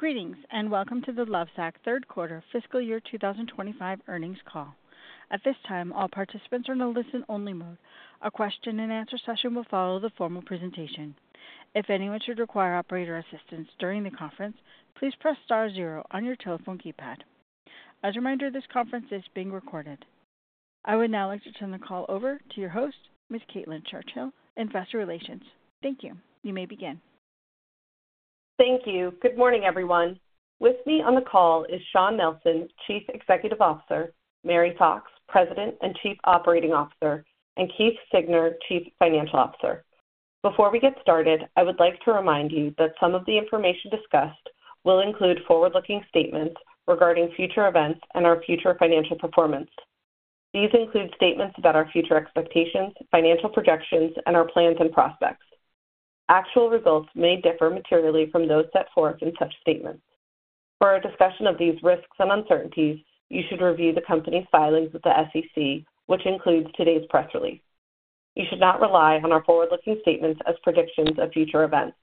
Greetings and welcome to the Lovesac Q3 FY 2025 Earnings Call. At this time, all participants are in a listen-only mode. A question-and-answer session will follow the formal presentation. If any of it should require operator assistance during the conference, please press star zero on your telephone keypad. As a reminder, this conference is being recorded. I would now like to turn the call over to your host, Ms. Caitlin Churchill, Investor Relations. Thank you. You may begin. Thank you. Good morning, everyone. With me on the call is Shawn Nelson, Chief Executive Officer, Mary Fox, President and Chief Operating Officer, and Keith Siegner, Chief Financial Officer. Before we get started, I would like to remind you that some of the information discussed will include forward-looking statements regarding future events and our future financial performance. These include statements about our future expectations, financial projections, and our plans and prospects. Actual results may differ materially from those set forth in such statements. For our discussion of these risks and uncertainties, you should review the company's filings with the SEC, which includes today's press release. You should not rely on our forward-looking statements as predictions of future events.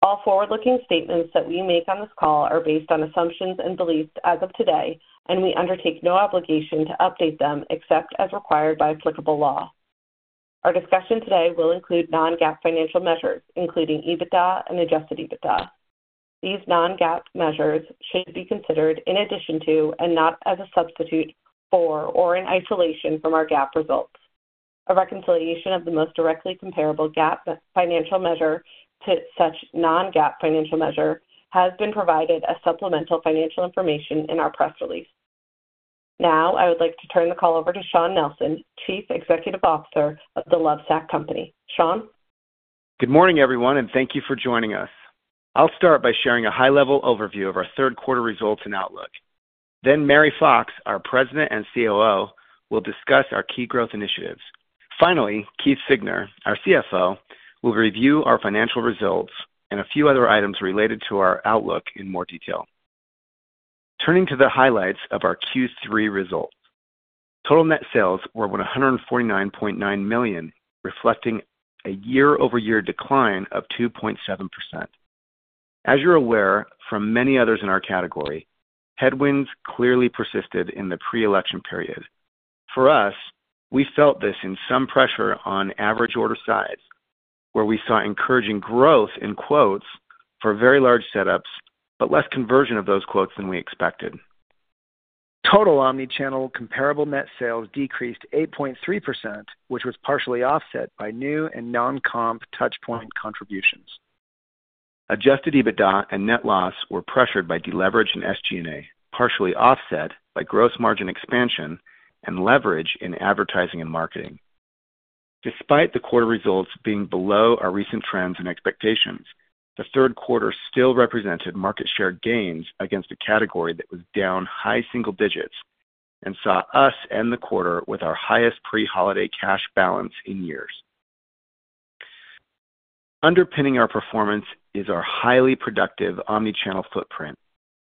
All forward-looking statements that we make on this call are based on assumptions and beliefs as of today, and we undertake no obligation to update them except as required by applicable law. Our discussion today will include non-GAAP financial measures, including EBITDA and adjusted EBITDA. These non-GAAP measures should be considered in addition to and not as a substitute for or in isolation from our GAAP results. A reconciliation of the most directly comparable GAAP financial measure to such non-GAAP financial measure has been provided as supplemental financial information in our press release. Now, I would like to turn the call over to Shawn Nelson, Chief Executive Officer of The Lovesac Company. Shawn. Good morning, everyone, and thank you for joining us. I'll start by sharing a high-level overview of our Q3 results and outlook. Then, Mary Fox, our President and COO, will discuss our key growth initiatives. Finally, Keith Siegner, our CFO, will review our financial results and a few other items related to our outlook in more detail. Turning to the highlights of our Q3 results, total net sales were $149.9 million, reflecting a year-over-year decline of 2.7%. As you're aware, from many others in our category, headwinds clearly persisted in the pre-election period. For us, we felt this in some pressure on average order size, where we saw encouraging growth in quotes for very large setups, but less conversion of those quotes than we expected. Total omnichannel comparable net sales decreased 8.3%, which was partially offset by new and non-comp Touchpoint contributions. Adjusted EBITDA and net loss were pressured by deleveraged in SG&A, partially offset by gross margin expansion and leverage in advertising and marketing. Despite the quarter results being below our recent trends and expectations, the Q3 still represented market share gains against a category that was down high single digits and saw us end the quarter with our highest pre-holiday cash balance in years. Underpinning our performance is our highly productive omnichannel footprint,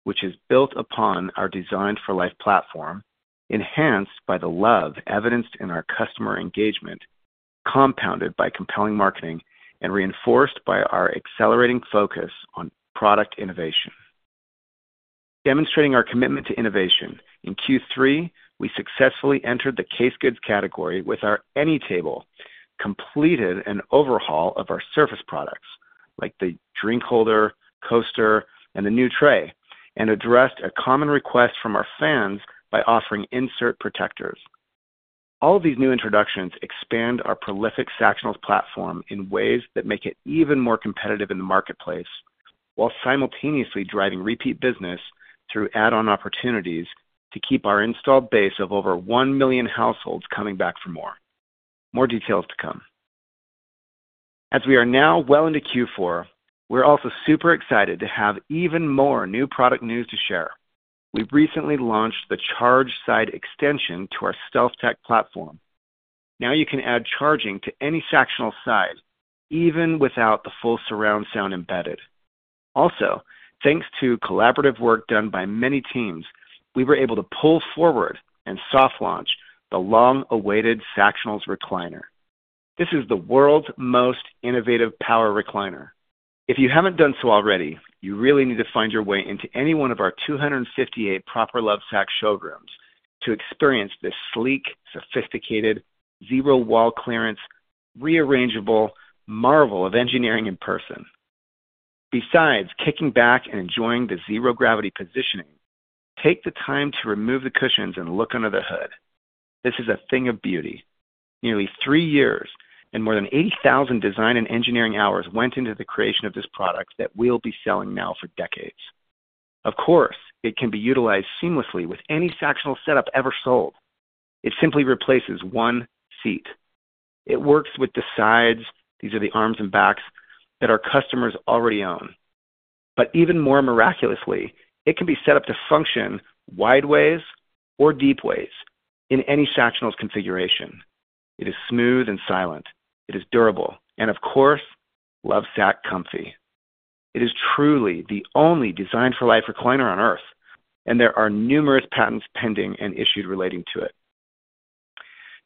which is built upon our Designed for Life platform, enhanced by the love evidenced in our customer engagement, compounded by compelling marketing, and reinforced by our accelerating focus on product innovation. Demonstrating our commitment to innovation, in Q3, we successfully entered the case goods category with our AnyTable, completed an overhaul of our surface products like the Drink Holder, Coaster, and the new Tray, and addressed a common request from our fans by offering Insert Protectors. All of these new introductions expand our prolific sactional platform in ways that make it even more competitive in the marketplace while simultaneously driving repeat business through add-on opportunities to keep our installed base of over one million households coming back for more. More details to come. As we are now well into Q4, we're also super excited to have even more new product news to share. We've recently launched the Charge Side extension to our StealthTech platform. Now you can add charging to any sactional side, even without the full surround sound embedded. Also, thanks to collaborative work done by many teams, we were able to pull forward and soft launch the long-awaited sactional recliner. This is the world's most innovative power recliner. If you haven't done so already, you really need to find your way into any one of our 258 proper Lovesac showrooms to experience this sleek, sophisticated, zero wall clearance, rearrangeable marvel of engineering in person. Besides kicking back and enjoying the zero gravity positioning, take the time to remove the cushions and look under the hood. This is a thing of beauty. Nearly three years and more than 80,000 design and engineering hours went into the creation of this product that we'll be selling now for decades. Of course, it can be utilized seamlessly with any sactional setup ever sold. It simply replaces one seat. It works with the sides. These are the arms and backs that our customers already own. But even more miraculously, it can be set up to function wide ways or deep ways in any sactional configuration. It is smooth and silent. It is durable. Of course, Lovesac Comfy. It is truly the only Design-for-Life recliner on Earth, and there are numerous patents pending and issued relating to it.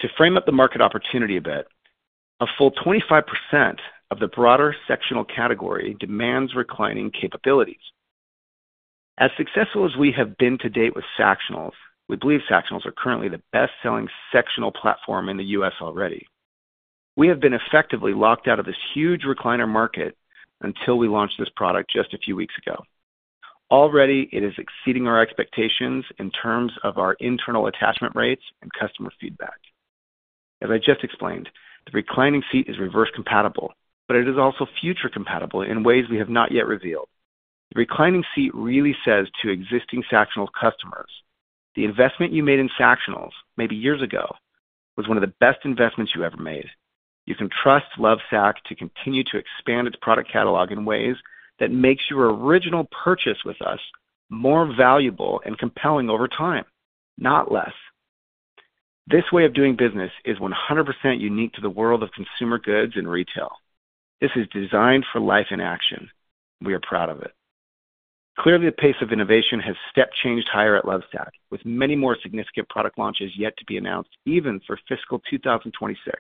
To frame up the market opportunity a bit, a full 25% of the broader sactional category demands reclining capabilities. As successful as we have been to date with sactionals, we believe sactionals are currently the best-selling sactional platform in the U.S. already. We have been effectively locked out of this huge recliner market until we launched this product just a few weeks ago. Already, it is exceeding our expectations in terms of our internal attachment rates and customer feedback. As I just explained, the reclining seat is reverse compatible, but it is also future compatible in ways we have not yet revealed. The reclining seat really says to existing sactional customers, "The investment you made in sactionals, maybe years ago, was one of the best investments you ever made." You can trust Lovesac to continue to expand its product catalog in ways that make your original purchase with us more valuable and compelling over time, not less. This way of doing business is 100% unique to the world of consumer goods and retail. This is designed for life in action. We are proud of it. Clearly, the pace of innovation has step-changed higher at Lovesac, with many more significant product launches yet to be announced, even for fiscal 2026.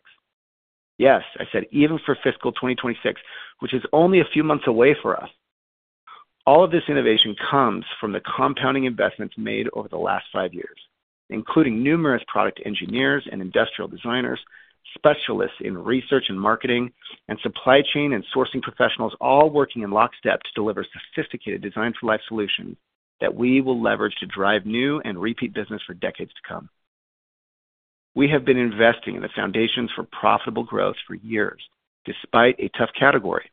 Yes, I said even for fiscal 2026, which is only a few months away for us. All of this innovation comes from the compounding investments made over the last five years, including numerous product engineers and industrial designers, specialists in research and marketing, and supply chain and sourcing professionals all working in lockstep to deliver sophisticated design-for-life solutions that we will leverage to drive new and repeat business for decades to come. We have been investing in the foundations for profitable growth for years, despite a tough category.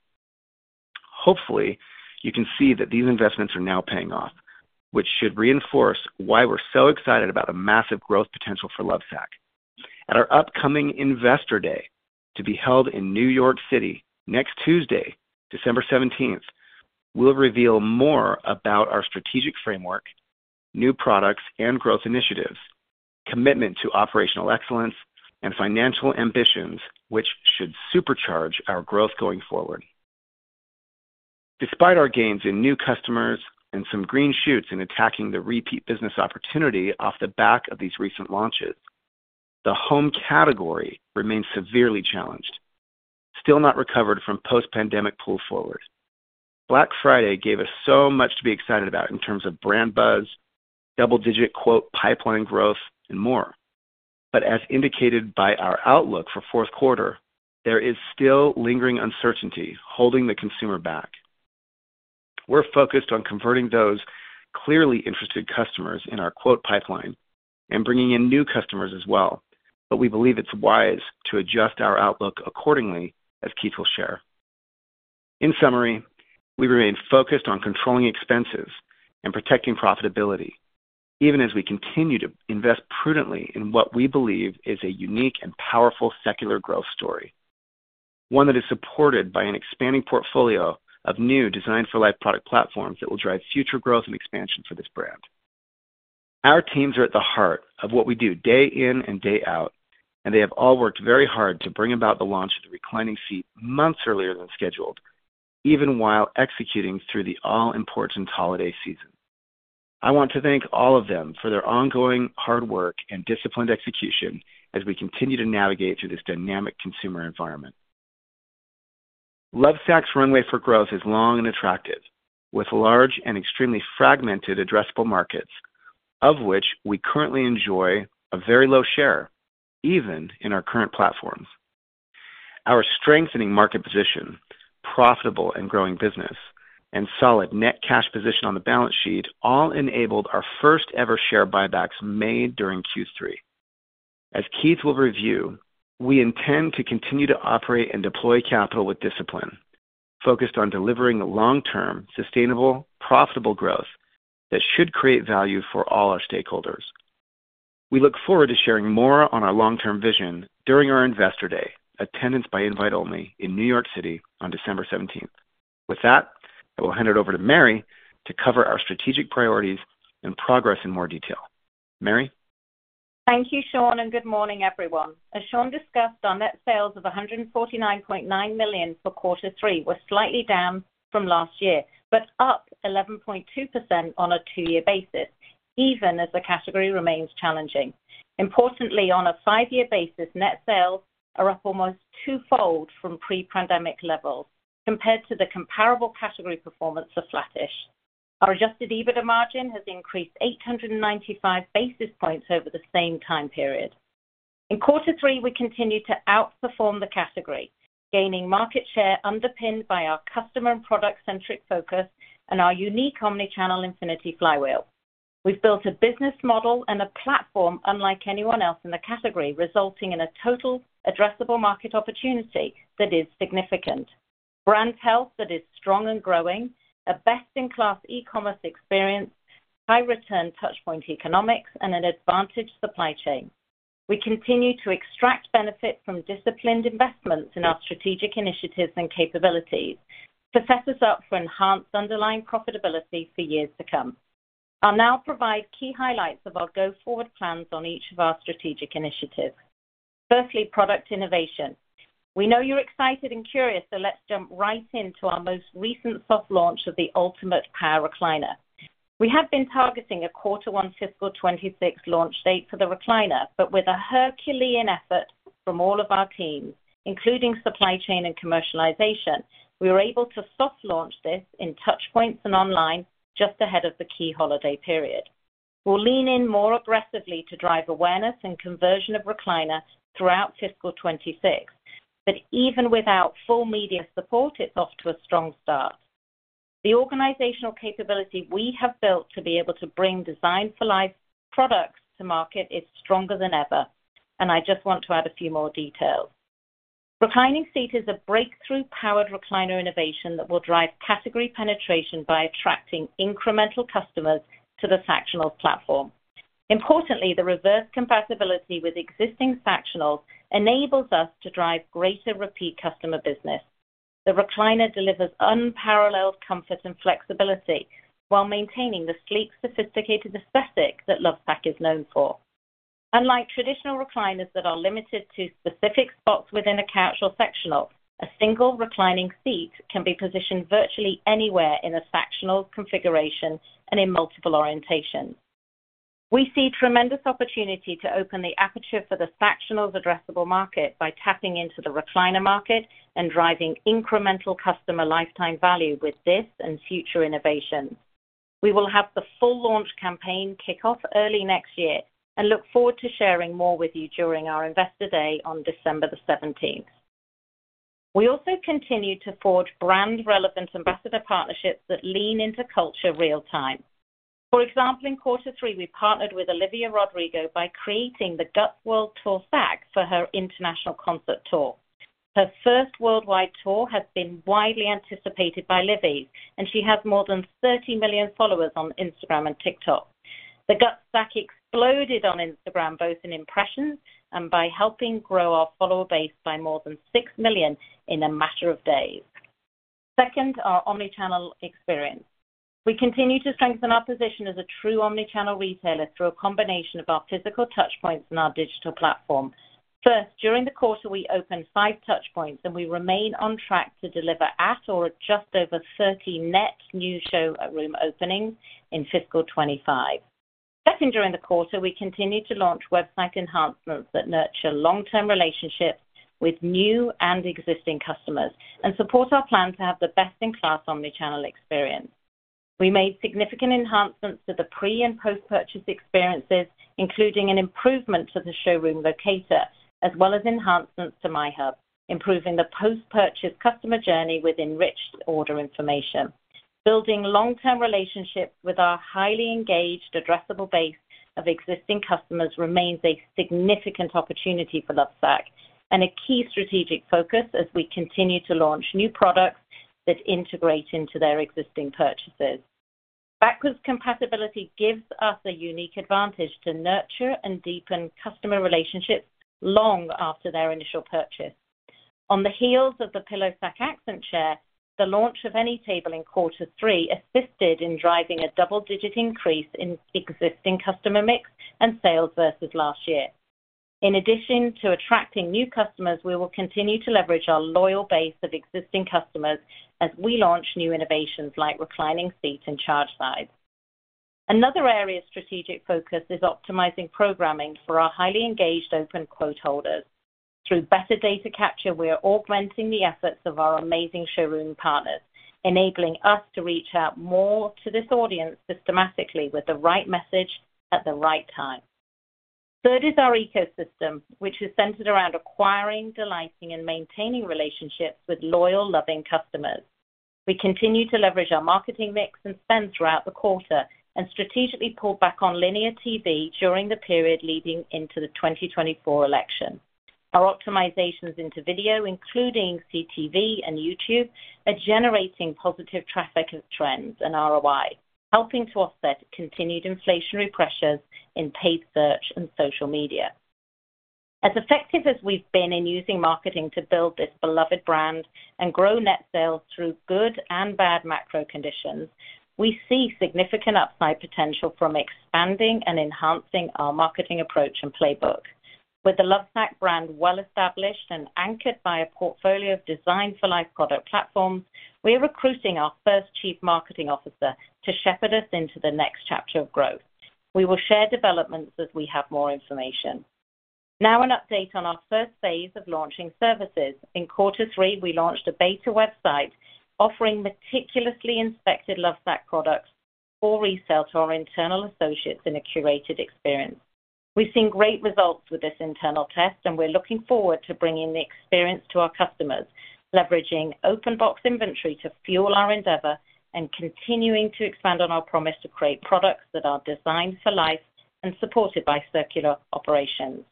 Hopefully, you can see that these investments are now paying off, which should reinforce why we're so excited about the massive growth potential for Lovesac. At our upcoming Investor Day, to be held in New York City next Tuesday, December 17th, we'll reveal more about our strategic framework, new products and growth initiatives, commitment to operational excellence, and financial ambitions, which should supercharge our growth going forward. Despite our gains in new customers and some green shoots in attacking the repeat business opportunity off the back of these recent launches, the home category remains severely challenged, still not recovered from post-pandemic pull forward. Black Friday gave us so much to be excited about in terms of brand buzz, double-digit "pipeline growth," and more. But as indicated by our outlook for Q4, there is still lingering uncertainty holding the consumer back. We're focused on converting those clearly interested customers in our "pipeline" and bringing in new customers as well, but we believe it's wise to adjust our outlook accordingly, as Keith will share. In summary, we remain focused on controlling expenses and protecting profitability, even as we continue to invest prudently in what we believe is a unique and powerful secular growth story, one that is supported by an expanding portfolio of new design-for-life product platforms that will drive future growth and expansion for this brand. Our teams are at the heart of what we do day in and day out, and they have all worked very hard to bring about the launch of the reclining seat months earlier than scheduled, even while executing through the all-important holiday season. I want to thank all of them for their ongoing hard work and disciplined execution as we continue to navigate through this dynamic consumer environment. Lovesac's runway for growth is long and attractive, with large and extremely fragmented addressable markets, of which we currently enjoy a very low share, even in our current platforms. Our strengthening market position, profitable and growing business, and solid net cash position on the balance sheet all enabled our first-ever share buybacks made during Q3. As Keith will review, we intend to continue to operate and deploy capital with discipline, focused on delivering long-term, sustainable, profitable growth that should create value for all our stakeholders. We look forward to sharing more on our long-term vision during our Investor Day, attendance by invite only, in New York City on December 17th. With that, I will hand it over to Mary to cover our strategic priorities and progress in more detail. Mary? Thank you, Shawn, and good morning, everyone. As Shawn discussed, our net sales of $149.9 million for Q3 were slightly down from last year, but up 11.2% on a two-year basis, even as the category remains challenging. Importantly, on a five-year basis, net sales are up almost twofold from pre-pandemic levels, compared to the comparable category performance of Flattish. Our Adjusted EBITDA margin has increased 895 basis points over the same time period. In Q3, we continue to outperform the category, gaining market share underpinned by our customer and product-centric focus and our unique omnichannel infinity flywheel. We've built a business model and a platform unlike anyone else in the category, resulting in a total addressable market opportunity that is significant: brand health that is strong and growing, a best-in-class e-commerce experience, high-return touchpoint economics, and an advantaged supply chain. We continue to extract benefit from disciplined investments in our strategic initiatives and capabilities to set us up for enhanced underlying profitability for years to come. I'll now provide key highlights of our go-forward plans on each of our strategic initiatives. Firstly, product innovation. We know you're excited and curious, so let's jump right into our most recent soft launch of the ultimate power recliner. We have been targeting a Q1 fiscal 2026 launch date for the recliner, but with a Herculean effort from all of our teams, including supply chain and commercialization, we were able to soft launch this in Touchpoints and online just ahead of the key holiday period. We'll lean in more aggressively to drive awareness and conversion of recliner throughout fiscal 2026, but even without full media support, it's off to a strong start. The organizational capability we have built to be able to bring Design-for-Life products to market is stronger than ever, and I just want to add a few more details. Reclining seat is a breakthrough powered recliner innovation that will drive category penetration by attracting incremental customers to the sactional platform. Importantly, the reverse compatibility with existing sactionals enables us to drive greater repeat customer business. The recliner delivers unparalleled comfort and flexibility while maintaining the sleek, sophisticated aesthetic that Lovesac is known for. Unlike traditional recliners that are limited to specific spots within a coach or sactional, a single reclining seat can be positioned virtually anywhere in a sactional configuration and in multiple orientations. We see tremendous opportunity to open the aperture for the sactional's addressable market by tapping into the recliner market and driving incremental customer lifetime value with this and future innovations. We will have the full launch campaign kick off early next year and look forward to sharing more with you during our Investor Day on December 17th. We also continue to forge brand-relevant ambassador partnerships that lean into culture real-time. For example, in Q3, we partnered with Olivia Rodrigo by creating the GUTS World Tour Sac for her international concert tour. Her first worldwide tour has been widely anticipated by Livies, and she has more than 30 million followers on Instagram and TikTok. The GUTS Sac exploded on Instagram, both in impressions and by helping grow our follower base by more than 6 million in a matter of days. Second, our omnichannel experience. We continue to strengthen our position as a true omnichannel retailer through a combination of our physical Touch points and our digital platform. First, during the quarter, we opened five touch points, and we remain on track to deliver at or just over 30 net new showroom openings in fiscal 2025. Second, during the quarter, we continue to launch website enhancements that nurture long-term relationships with new and existing customers and support our plan to have the best-in-class omnichannel experience. We made significant enhancements to the pre- and post-purchase experiences, including an improvement to the showroom locator, as well as enhancements to MyHub, improving the post-purchase customer journey with enriched order information. Building long-term relationships with our highly engaged addressable base of existing customers remains a significant opportunity for Lovesac and a key strategic focus as we continue to launch new products that integrate into their existing purchases. Backwards compatibility gives us a unique advantage to nurture and deepen customer relationships long after their initial purchase. On the heels of the PillowSac Accent Chair, the launch of AnyTable in Q3 assisted in driving a double-digit increase in existing customer mix and sales versus last year. In addition to attracting new customers, we will continue to leverage our loyal base of existing customers as we launch new innovations like reclining seat and charge sides. Another area of strategic focus is optimizing programming for our highly engaged open quote holders. Through better data capture, we are augmenting the efforts of our amazing showroom partners, enabling us to reach out more to this audience systematically with the right message at the right time. Third is our ecosystem, which is centered around acquiring, delighting, and maintaining relationships with loyal, loving customers. We continue to leverage our marketing mix and spend throughout the quarter and strategically pull back on linear TV during the period leading into the 2024 election. Our optimizations into video, including CTV and YouTube, are generating positive traffic trends and ROI, helping to offset continued inflationary pressures in paid search and social media. As effective as we've been in using marketing to build this beloved brand and grow net sales through good and bad macro conditions, we see significant upside potential from expanding and enhancing our marketing approach and playbook. With the Lovesac brand well established and anchored by a portfolio of Design-for-Life product platforms, we are recruiting our first Chief Marketing Officer to shepherd us into the next chapter of growth. We will share developments as we have more information. Now, an update on our phase I of launching services. In Q3, we launched a beta website offering meticulously inspected Lovesac products for resale to our internal associates in a curated experience. We've seen great results with this internal test, and we're looking forward to bringing the experience to our customers, leveraging open box inventory to fuel our endeavor and continuing to expand on our promise to create products that are designed for life and supported by circular operations.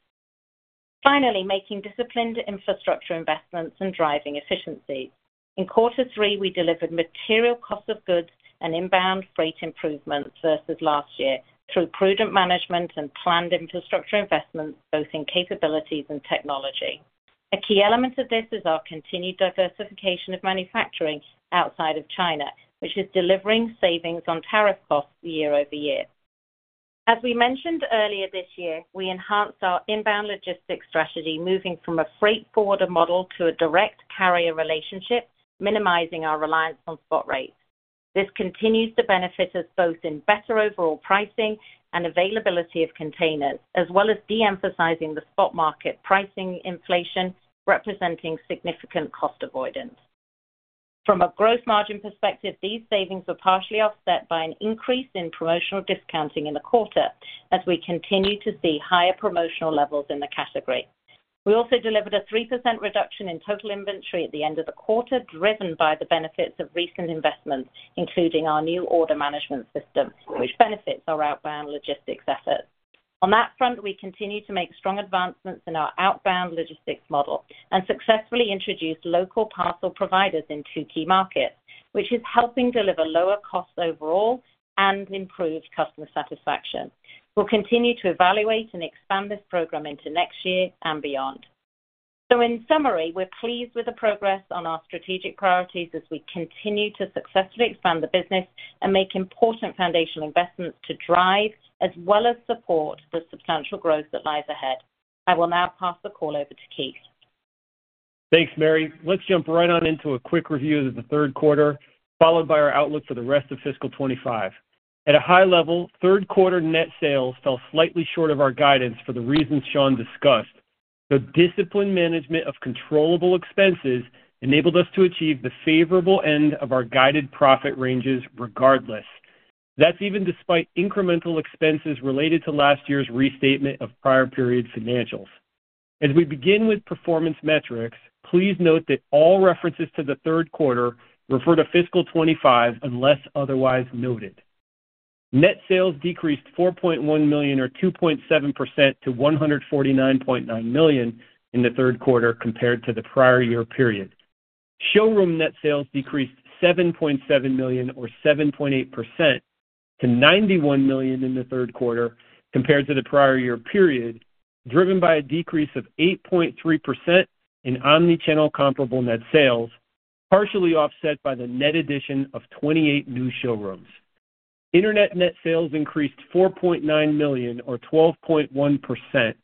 Finally, making disciplined infrastructure investments and driving efficiencies. In Q3, we delivered material cost of goods and inbound freight improvements versus last year through prudent management and planned infrastructure investments, both in capabilities and technology. A key element of this is our continued diversification of manufacturing outside of China, which is delivering savings on tariff costs year-over-year. As we mentioned earlier this year, we enhanced our inbound logistics strategy, moving from a freight forwarder model to a direct carrier relationship, minimizing our reliance on spot rates. This continues to benefit us both in better overall pricing and availability of containers, as well as de-emphasizing the spot market pricing inflation, representing significant cost avoidance. From a gross margin perspective, these savings were partially offset by an increase in promotional discounting in the quarter, as we continue to see higher promotional levels in the category. We also delivered a 3% reduction in total inventory at the end of the quarter, driven by the benefits of recent investments, including our new order management system, which benefits our outbound logistics efforts. On that front, we continue to make strong advancements in our outbound logistics model and successfully introduced local parcel providers in two key markets, which is helping deliver lower costs overall and improved customer satisfaction. We'll continue to evaluate and expand this program into next year and beyond. So, in summary, we're pleased with the progress on our strategic priorities as we continue to successfully expand the business and make important foundational investments to drive as well as support the substantial growth that lies ahead. I will now pass the call over to Keith. Thanks, Mary. Let's jump right on into a quick review of the Q3, followed by our outlook for the rest of fiscal 2025. At a high level, Q3 net sales fell slightly short of our guidance for the reasons Shawn discussed. The disciplined management of controllable expenses enabled us to achieve the favorable end of our guided profit ranges regardless. That's even despite incremental expenses related to last year's restatement of prior period financials. As we begin with performance metrics, please note that all references to the Q3 refer to fiscal 2025 unless otherwise noted. Net sales decreased $4.1 million, or 2.7%, to $149.9 million in the Q3 compared to the prior year period. Showroom net sales decreased $7.7 million, or 7.8%, to $91 million in the Q3 compared to the prior year period, driven by a decrease of 8.3% in omnichannel comparable net sales, partially offset by the net addition of 28 new showrooms. Internet net sales increased $4.9 million, or 12.1%,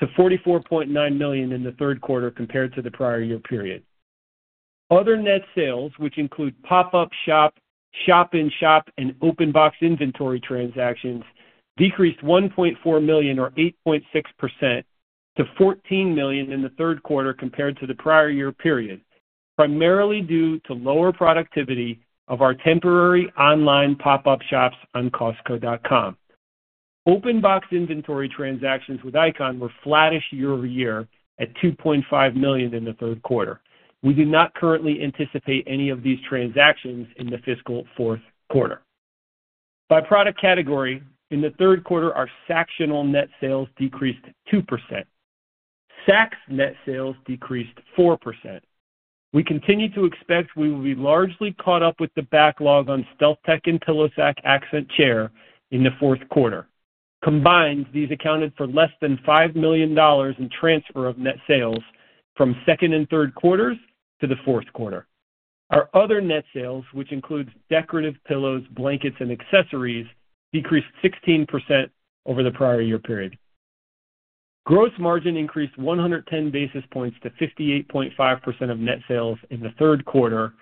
to $44.9 million in the Q3 compared to the prior year period. Other net sales, which include pop-up shop, shop-in-shop, and open box inventory transactions, decreased $1.4 million, or 8.6%, to $14 million in the Q3 compared to the prior year period, primarily due to lower productivity of our temporary online pop-up shops on Costco.com. Open box inventory transactions with ICON were flattish year-over-year at $2.5 million in the Q3. We do not currently anticipate any of these transactions in the fiscal Q4. By product category, in the Q3, our Sactionals net sales decreased 2%. Sacs net sales decreased 4%. We continue to expect we will be largely caught up with the backlog on StealthTech and PillowSac Accent Chair in the Q4. Combined, these accounted for less than $5 million in transfer of net sales from second and Q3s to the Q4. Our other net sales, which includes decorative pillows, blankets, and accessories, decreased 16% over the prior year period. Gross margin increased 110 basis points to 58.5% of net sales in the Q3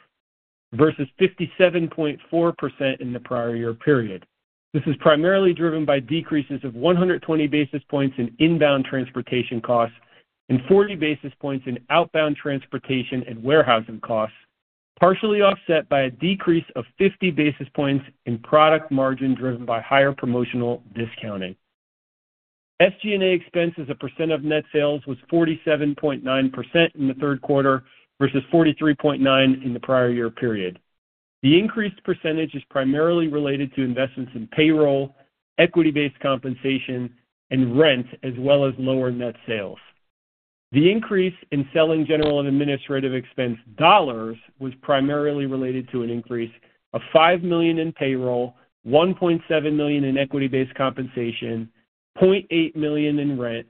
versus 57.4% in the prior year period. This is primarily driven by decreases of 120 basis points in inbound transportation costs and 40 basis points in outbound transportation and warehousing costs, partially offset by a decrease of 50 basis points in product margin driven by higher promotional discounting. SG&A expenses, a percent of net sales, was 47.9% in the Q3 versus 43.9% in the prior year period. The increased percentage is primarily related to investments in payroll, equity-based compensation, and rent, as well as lower net sales. The increase in selling general and administrative expense dollars was primarily related to an increase of $5 million in payroll, $1.7 million in equity-based compensation, $0.8 million in rent,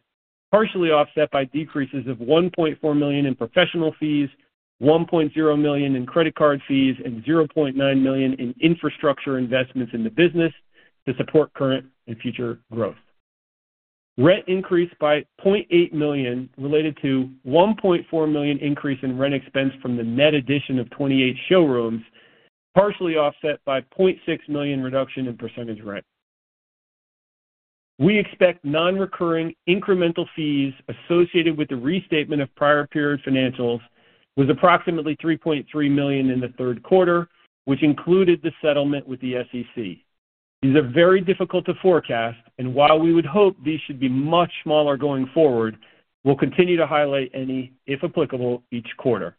partially offset by decreases of $1.4 million in professional fees, $1.0 million in credit card fees, and $0.9 million in infrastructure investments in the business to support current and future growth. Rent increased by $0.8 million related to a $1.4 million increase in rent expense from the net addition of 28 showrooms, partially offset by a $0.6 million reduction in percentage rent. We expect non-recurring incremental fees associated with the restatement of prior period financials was approximately $3.3 million in the Q3, which included the settlement with the SEC. These are very difficult to forecast, and while we would hope these should be much smaller going forward, we'll continue to highlight any, if applicable, each quarter.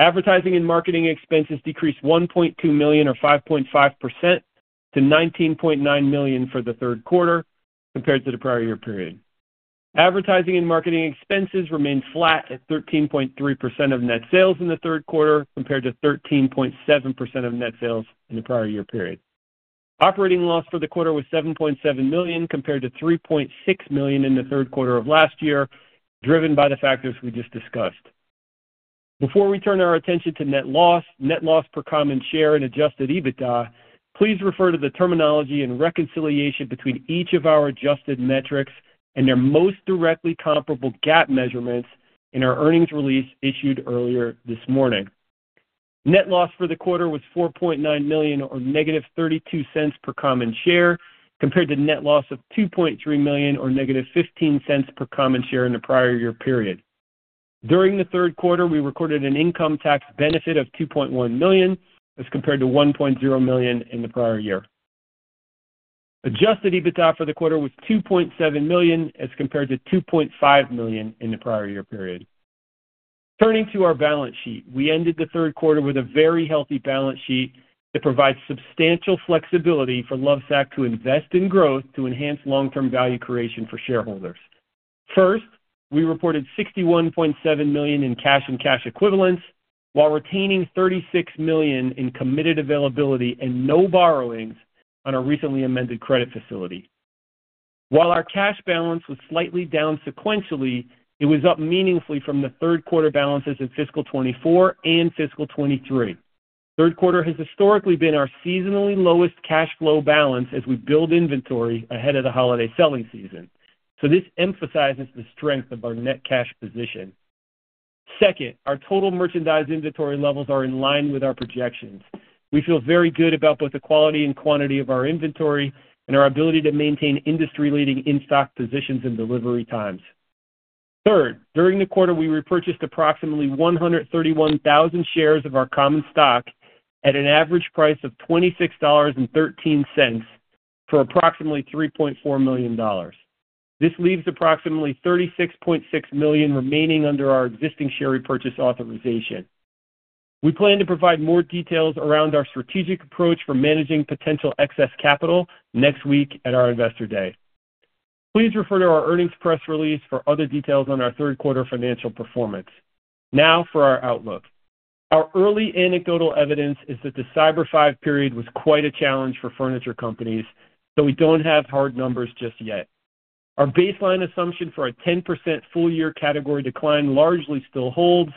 Advertising and marketing expenses decreased $1.2 million, or 5.5%, to $19.9 million for the Q3 compared to the prior year period. Advertising and marketing expenses remained flat at 13.3% of net sales in the Q3 compared to 13.7% of net sales in the prior year period. Operating loss for the quarter was $7.7 million compared to $3.6 million in the Q3 of last year, driven by the factors we just discussed. Before we turn our attention to net loss, net loss per common share, and Adjusted EBITDA, please refer to the terminology and reconciliation between each of our adjusted metrics and their most directly comparable GAAP measurements in our earnings release issued earlier this morning. Net loss for the quarter was $4.9 million, or negative $0.32 per common share, compared to net loss of $2.3 million, or negative $0.15 per common share in the prior year period. During the Q3, we recorded an income tax benefit of $2.1 million as compared to $1.0 million in the prior year. Adjusted EBITDA for the quarter was $2.7 million as compared to $2.5 million in the prior year period. Turning to our balance sheet, we ended the Q3 with a very healthy balance sheet that provides substantial flexibility for Lovesac to invest in growth to enhance long-term value creation for shareholders. First, we reported $61.7 million in cash and cash equivalents while retaining $36 million in committed availability and no borrowings on our recently amended credit facility. While our cash balance was slightly down sequentially, it was up meaningfully from the Q3 balances in fiscal 2024 and fiscal 2023. Q3 has historically been our seasonally lowest cash flow balance as we build inventory ahead of the holiday selling season, so this emphasizes the strength of our net cash position. Second, our total merchandise inventory levels are in line with our projections. We feel very good about both the quality and quantity of our inventory and our ability to maintain industry-leading in-stock positions and delivery times. Third, during the quarter, we repurchased approximately 131,000 shares of our common stock at an average price of $26.13 for approximately $3.4 million. This leaves approximately 36.6 million remaining under our existing share repurchase authorization. We plan to provide more details around our strategic approach for managing potential excess capital next week at our investor day. Please refer to our earnings press release for other details on our Q3 financial performance. Now, for our outlook. Our early anecdotal evidence is that the Cyber 5 period was quite a challenge for furniture companies, so we don't have hard numbers just yet. Our baseline assumption for a 10% full-year category decline largely still holds,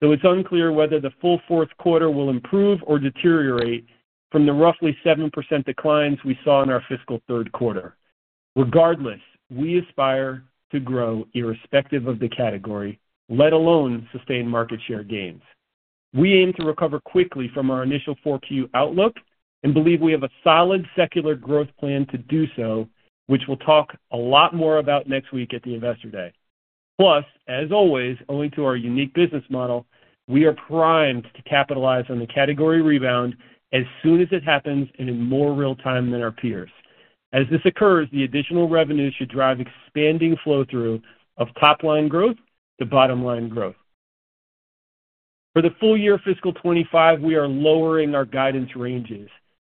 though it's unclear whether the full Q4 will improve or deteriorate from the roughly 7% declines we saw in our fiscal Q3. Regardless, we aspire to grow irrespective of the category, let alone sustain market share gains. We aim to recover quickly from our initial Q4 outlook and believe we have a solid secular growth plan to do so, which we'll talk a lot more about next week at the Investor Day. Plus, as always, owing to our unique business model, we are primed to capitalize on the category rebound as soon as it happens and in more real time than our peers. As this occurs, the additional revenue should drive expanding flow-through of top-line growth to bottom-line growth. For the full year fiscal 2025, we are lowering our guidance ranges.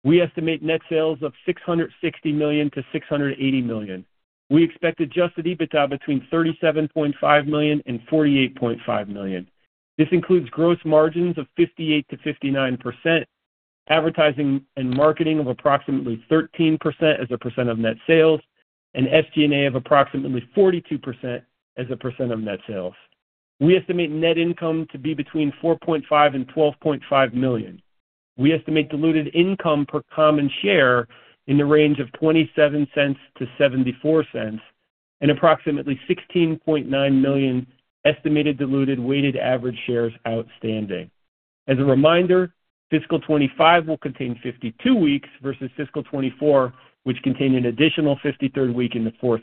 We estimate net sales of $660 million-$680 million. We expect adjusted EBITDA between $37.5 million and $48.5 million. This includes gross margins of 58%-59%, advertising and marketing of approximately 13% as a % of net sales, and SG&A of approximately 42% as a % of net sales. We estimate net income to be between $4.5 million-$12.5 million. We estimate diluted income per common share in the range of $0.27-$0.74 and approximately 16.9 million estimated diluted weighted average shares outstanding. As a reminder, fiscal 2025 will contain 52 weeks versus fiscal 2024, which contained an additional 53rd week in the Q4.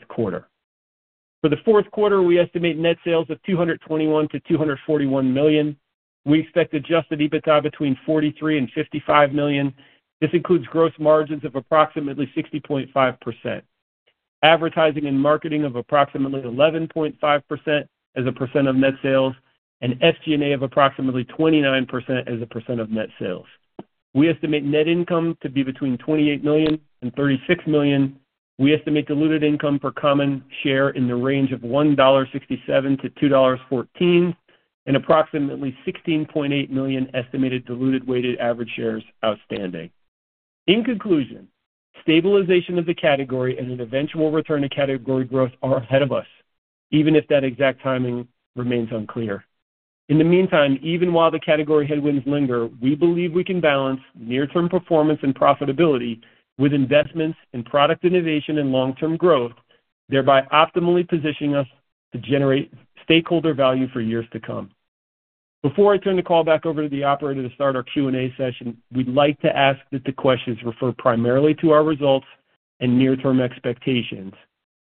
For the Q4, we estimate net sales of $221 million-$241 million. We expect adjusted EBITDA between $43 million-$55 million. This includes gross margins of approximately 60.5%, advertising and marketing of approximately 11.5% as a % of net sales, and SG&A of approximately 29% as a % of net sales. We estimate net income to be between $28 million-$36 million. We estimate diluted income per common share in the range of $1.67-$2.14 and approximately 16.8 million estimated diluted weighted average shares outstanding. In conclusion, stabilization of the category and an eventual return to category growth are ahead of us, even if that exact timing remains unclear. In the meantime, even while the category headwinds linger, we believe we can balance near-term performance and profitability with investments in product innovation and long-term growth, thereby optimally positioning us to generate stakeholder value for years to come. Before I turn the call back over to the operator to start our Q&A session, we'd like to ask that the questions refer primarily to our results and near-term expectations.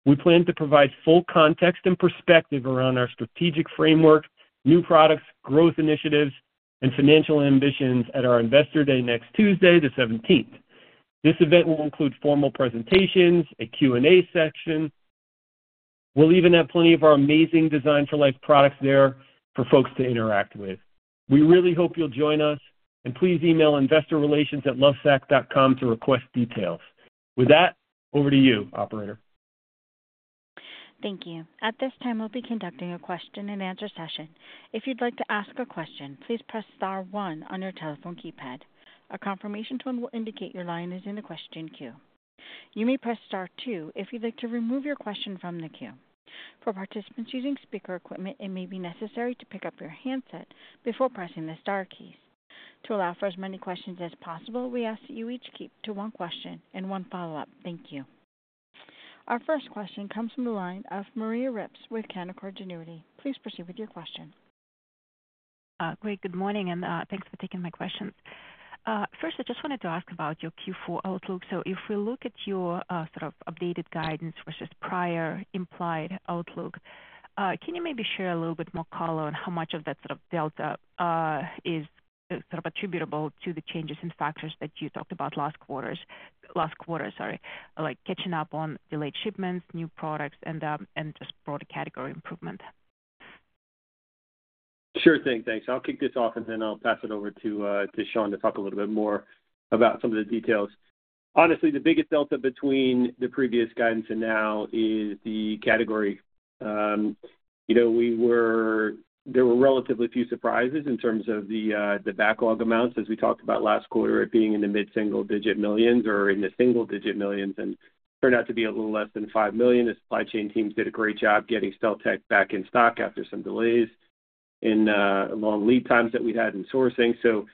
We plan to provide full context and perspective around our strategic framework, new products, growth initiatives, and financial ambitions at our investor day next Tuesday, the 17th. This event will include formal presentations, a Q&A section. We'll even have plenty of our amazing Design-for-Life products there for folks to interact with. We really hope you'll join us, and please email investorrelations@lovesac.com to request details. With that, over to you, Operator. Thank you. At this time, we'll be conducting a question-and-answer session. If you'd like to ask a question, please press Star one on your telephone keypad. A confirmation tone will indicate your line is in the question queue. You may press Star two if you'd like to remove your question from the queue. For participants using speaker equipment, it may be necessary to pick up your handset before pressing the Star keys. To allow for as many questions as possible, we ask that you each keep to one question and one follow-up. Thank you. Our first question comes from the line of Maria Ripps with Canaccord Genuity. Please proceed with your question. Great. Good morning, and thanks for taking my questions. First, I just wanted to ask about your Q4 outlook. So if we look at your sort of updated guidance versus prior implied outlook, can you maybe share a little bit more color on how much of that sort of delta is sort of attributable to the changes in factors that you talked about last quarter? Sorry, like catching up on delayed shipments, new products, and just broader category improvement. Sure thing. Thanks. I'll kick this off, and then I'll pass it over to Shawn to talk a little bit more about some of the details. Honestly, the biggest delta between the previous guidance and now is the category. There were relatively few surprises in terms of the backlog amounts, as we talked about last quarter, it being in the mid-single-digit millions or in the single-digit millions, and it turned out to be a little less than five million. The supply chain teams did a great job getting StealthTech back in stock after some delays and long lead times that we had in sourcing, so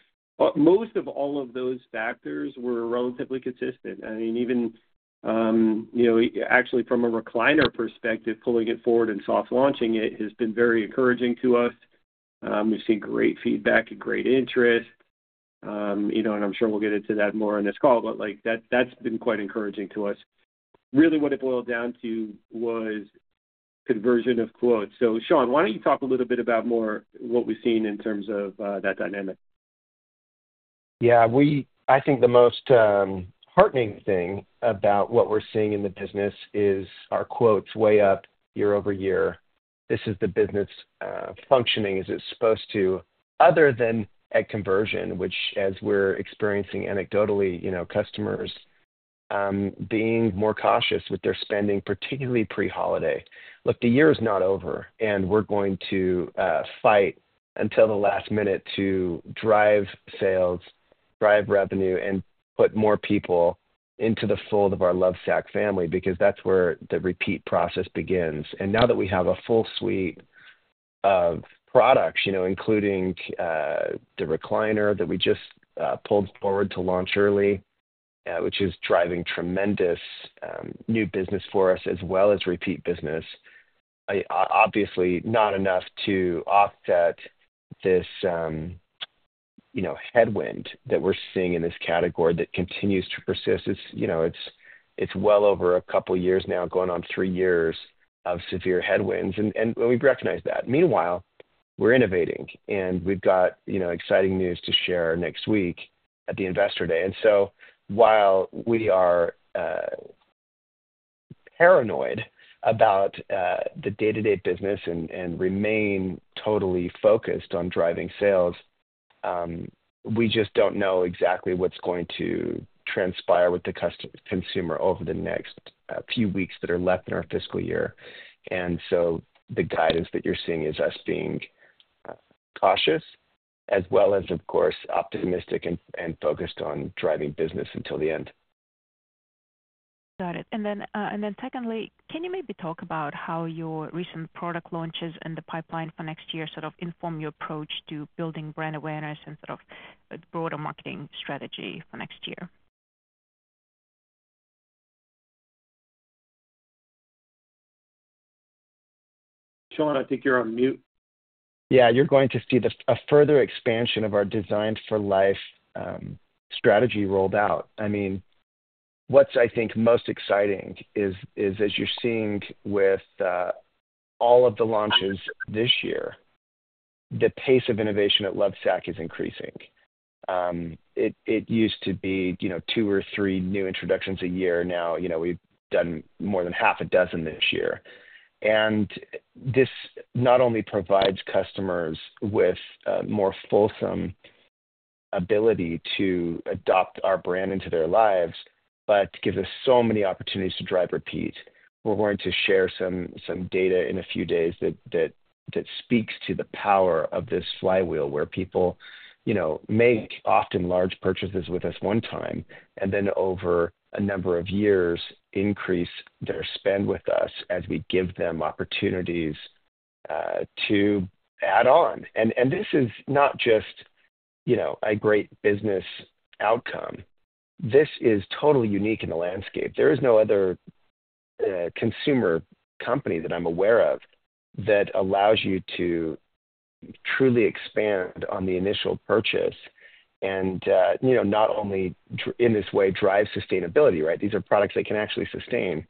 most of all of those factors were relatively consistent. I mean, even actually from a recliner perspective, pulling it forward and soft launching it has been very encouraging to us. We've seen great feedback and great interest, and I'm sure we'll get into that more on this call, but that's been quite encouraging to us. Really, what it boiled down to was conversion of quotes. So Shawn, why don't you talk a little bit about more what we've seen in terms of that dynamic? Yeah. I think the most heartening thing about what we're seeing in the business is our quotes way up year-over-year. This is the business functioning as it's supposed to, other than at conversion, which, as we're experiencing anecdotally, customers being more cautious with their spending, particularly pre-holiday. Look, the year is not over, and we're going to fight until the last minute to drive sales, drive revenue, and put more people into the fold of our Lovesac family because that's where the repeat process begins. And now that we have a full suite of products, including the recliner that we just pulled forward to launch early, which is driving tremendous new business for us as well as repeat business, obviously not enough to offset this headwind that we're seeing in this category that continues to persist. It's well over a couple of years now, going on three years of severe headwinds, and we recognize that. Meanwhile, we're innovating, and we've got exciting news to share next week at the Investor Day. And so while we are paranoid about the day-to-day business and remain totally focused on driving sales, we just don't know exactly what's going to transpire with the consumer over the next few weeks that are left in our fiscal year. And so the guidance that you're seeing is us being cautious as well as, of course, optimistic and focused on driving business until the end. Got it. And then secondly, can you maybe talk about how your recent product launches and the pipeline for next year sort of inform your approach to building brand awareness and sort of broader marketing strategy for next year? Shawn, I think you're on mute. Yeah. You're going to see a further expansion of our Design-for-Life strategy rolled out. I mean, what's, I think, most exciting is, as you're seeing with all of the launches this year, the pace of innovation at Lovesac is increasing. It used to be two or three new introductions a year. Now we've done more than half a dozen this year. This not only provides customers with more fulsome ability to adopt our brand into their lives, but gives us so many opportunities to drive repeat. We're going to share some data in a few days that speaks to the power of this flywheel where people make often large purchases with us one time and then, over a number of years, increase their spend with us as we give them opportunities to add on. This is not just a great business outcome. This is totally unique in the landscape. There is no other consumer company that I'm aware of that allows you to truly expand on the initial purchase and not only, in this way, drive sustainability, right? These are products they can actually sustain,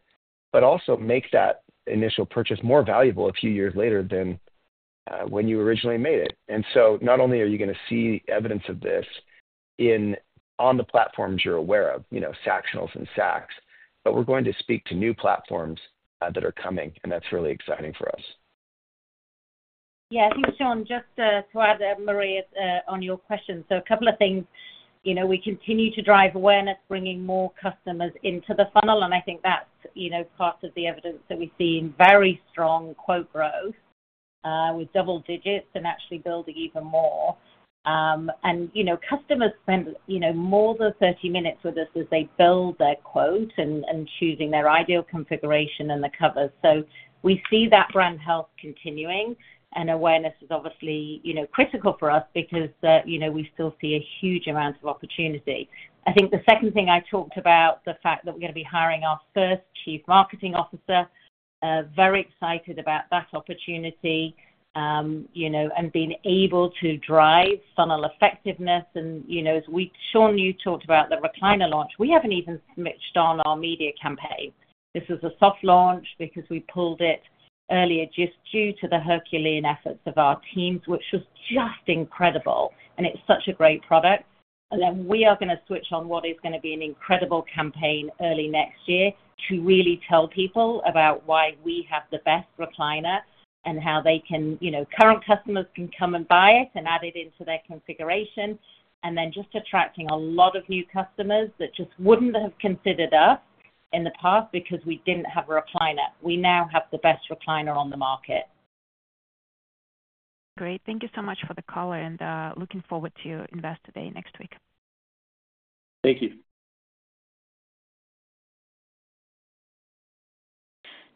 but also make that initial purchase more valuable a few years later than when you originally made it. And so not only are you going to see evidence of this on the platforms you're aware of, Sactionals and Sacs, but we're going to speak to new platforms that are coming, and that's really exciting for us. Yeah. I think, Shawn, just to add, Maria, on your question. So a couple of things. We continue to drive awareness, bringing more customers into the funnel, and I think that's part of the evidence that we've seen very strong quote growth with double digits and actually building even more. And customers spend more than 30 minutes with us as they build their quote and choosing their ideal configuration and the covers. So we see that brand health continuing, and awareness is obviously critical for us because we still see a huge amount of opportunity. I think the second thing I talked about, the fact that we're going to be hiring our first Chief Marketing Officer, very excited about that opportunity and being able to drive funnel effectiveness, and as Shawn talked about the recliner launch, we haven't even switched on our media campaign. This is a soft launch because we pulled it earlier just due to the Herculean efforts of our teams, which was just incredible, and it's such a great product, and then we are going to switch on what is going to be an incredible campaign early next year to really tell people about why we have the best recliner and how current customers can come and buy it and add it into their configuration, and then just attracting a lot of new customers that just wouldn't have considered us in the past because we didn't have a recliner. We now have the best recliner on the market. Great. Thank you so much for the color, and looking forward to Investor Day next week. Thank you.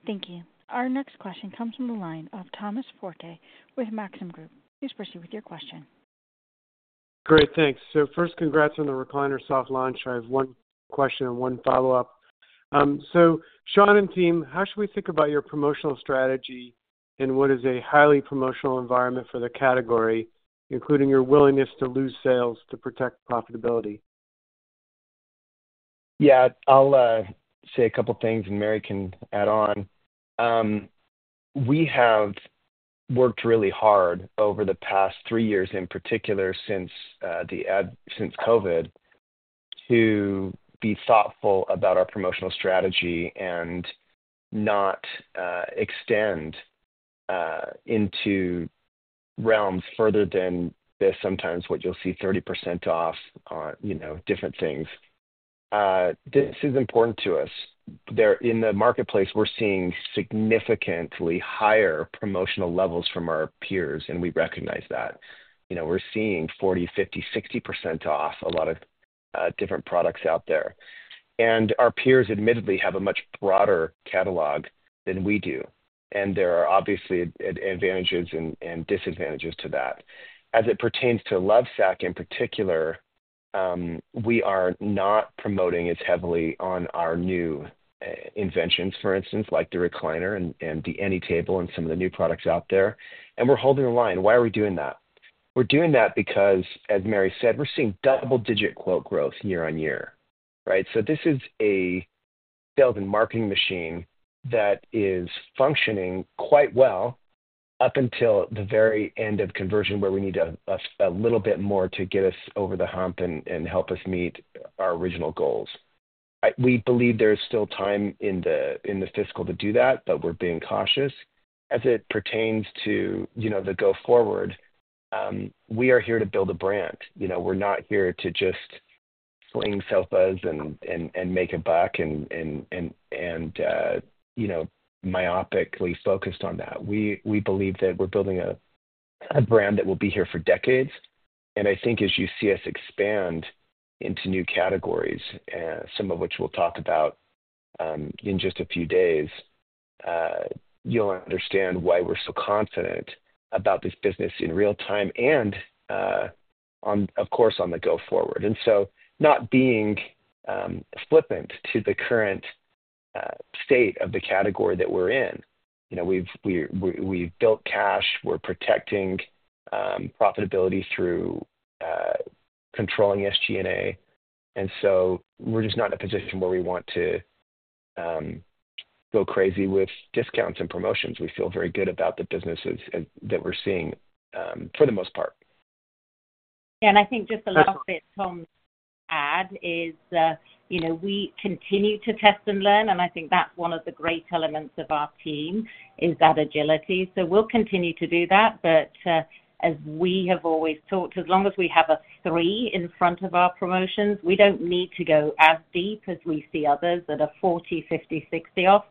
Thank you. Our next question comes from the line of Thomas Forte with Maxim Group. Please proceed with your question. Great. Thanks. So first, congrats on the recliner soft launch. I have one question and one follow-up. So Shawn and team, how should we think about your promotional strategy and what is a highly promotional environment for the category, including your willingness to lose sales to protect profitability? Yeah. I'll say a couple of things, and Mary can add on. We have worked really hard over the past three years, in particular since COVID, to be thoughtful about our promotional strategy and not extend into realms further than sometimes what you'll see 30% off on different things. This is important to us. In the marketplace, we're seeing significantly higher promotional levels from our peers, and we recognize that. We're seeing 40%, 50%, 60% off a lot of different products out there, and our peers admittedly have a much broader catalog than we do, and there are obviously advantages and disadvantages to that. As it pertains to Lovesac in particular, we are not promoting as heavily on our new inventions, for instance, like the recliner and the AnyTable and some of the new products out there, and we're holding the line. Why are we doing that? We're doing that because, as Mary said, we're seeing double-digit quote growth year-on-year, right? So this is a sales and marketing machine that is functioning quite well up until the very end of conversion where we need a little bit more to get us over the hump and help us meet our original goals. We believe there is still time in the fiscal to do that, but we're being cautious. As it pertains to the go-forward, we are here to build a brand. We're not here to just fling selfies and make a buck and myopically focused on that. We believe that we're building a brand that will be here for decades, and I think as you see us expand into new categories, some of which we'll talk about in just a few days, you'll understand why we're so confident about this business in real time and, of course, on the go-forward. And so, not being flippant to the current state of the category that we're in. We've built cash. We're protecting profitability through controlling SG&A. And so we're just not in a position where we want to go crazy with discounts and promotions. We feel very good about the businesses that we're seeing for the most part. Yeah. And I think just a last bit, Tom, to add is we continue to test and learn, and I think that's one of the great elements of our team is that agility. So we'll continue to do that, but as we have always talked, as long as we have a three in front of our promotions, we don't need to go as deep as we see others that are 40%, 50%, 60% off.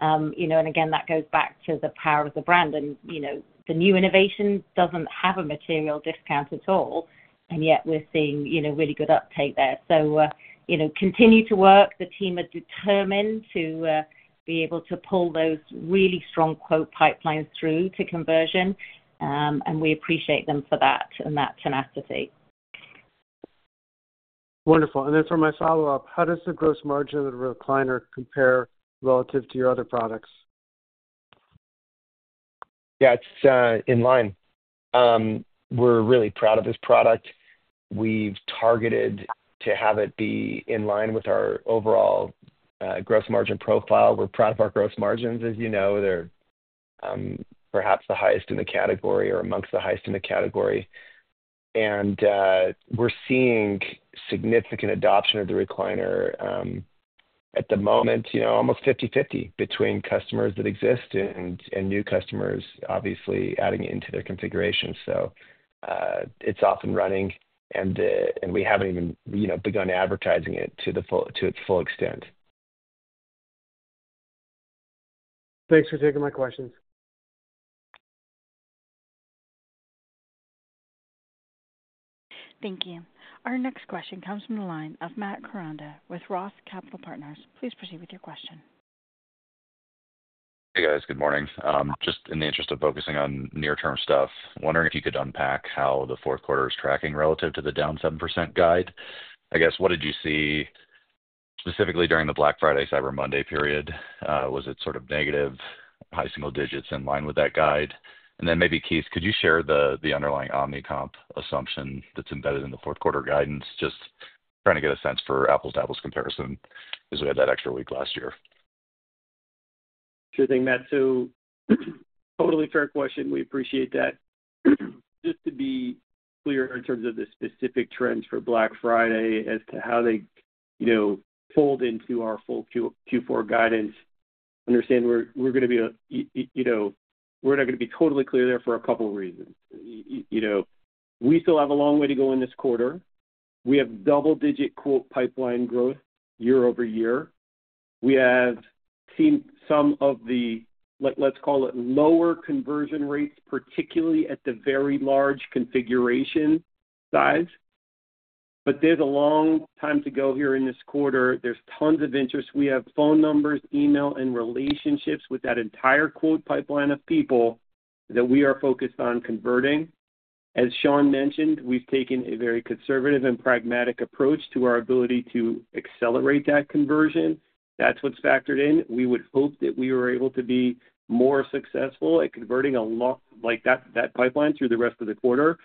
And again, that goes back to the power of the brand. The new innovation doesn't have a material discount at all, and yet we're seeing really good uptake there. Continue to work. The team are determined to be able to pull those really strong quote pipelines through to conversion, and we appreciate them for that and that tenacity. Wonderful. Then for my follow-up, how does the gross margin of the recliner compare relative to your other products? Yeah. It's in line. We're really proud of this product. We've targeted to have it be in line with our overall gross margin profile. We're proud of our gross margins. As you know, they're perhaps the highest in the category or among the highest in the category. We're seeing significant adoption of the recliner at the moment, almost 50/50 between customers that exist and new customers obviously adding into their configuration. So it's off and running, and we haven't even begun advertising it to its full extent. Thanks for taking my questions. Thank you. Our next question comes from the line of Matt Koranda with ROTH Capital Partners. Please proceed with your question. Hey, guys. Good morning. Just in the interest of focusing on near-term stuff, wondering if you could unpack how the Q4 is tracking relative to the down 7% guide. I guess, what did you see specifically during the Black Friday, Cyber Monday period? Was it sort of negative, high single digits in line with that guide? And then maybe, Keith, could you share the underlying omni comp assumption that's embedded in the Q4 guidance? Just trying to get a sense for apples-to-apples comparison as we had that extra week last year. Sure thing, Matt. So totally fair question. We appreciate that. Just to be clear in terms of the specific trends for Black Friday as to how they fold into our full Q4 guidance, understand we're not going to be totally clear there for a couple of reasons. We still have a long way to go in this quarter. We have double-digit quote pipeline growth year-over-year. We have seen some of the, let's call it, lower conversion rates, particularly at the very large configuration size. But there's a long time to go here in this quarter. There's tons of interest. We have phone numbers, email, and relationships with that entire quote pipeline of people that we are focused on converting. As Shawn mentioned, we've taken a very conservative and pragmatic approach to our ability to accelerate that conversion. That's what's factored in. We would hope that we were able to be more successful at converting that pipeline through the rest of the quarter.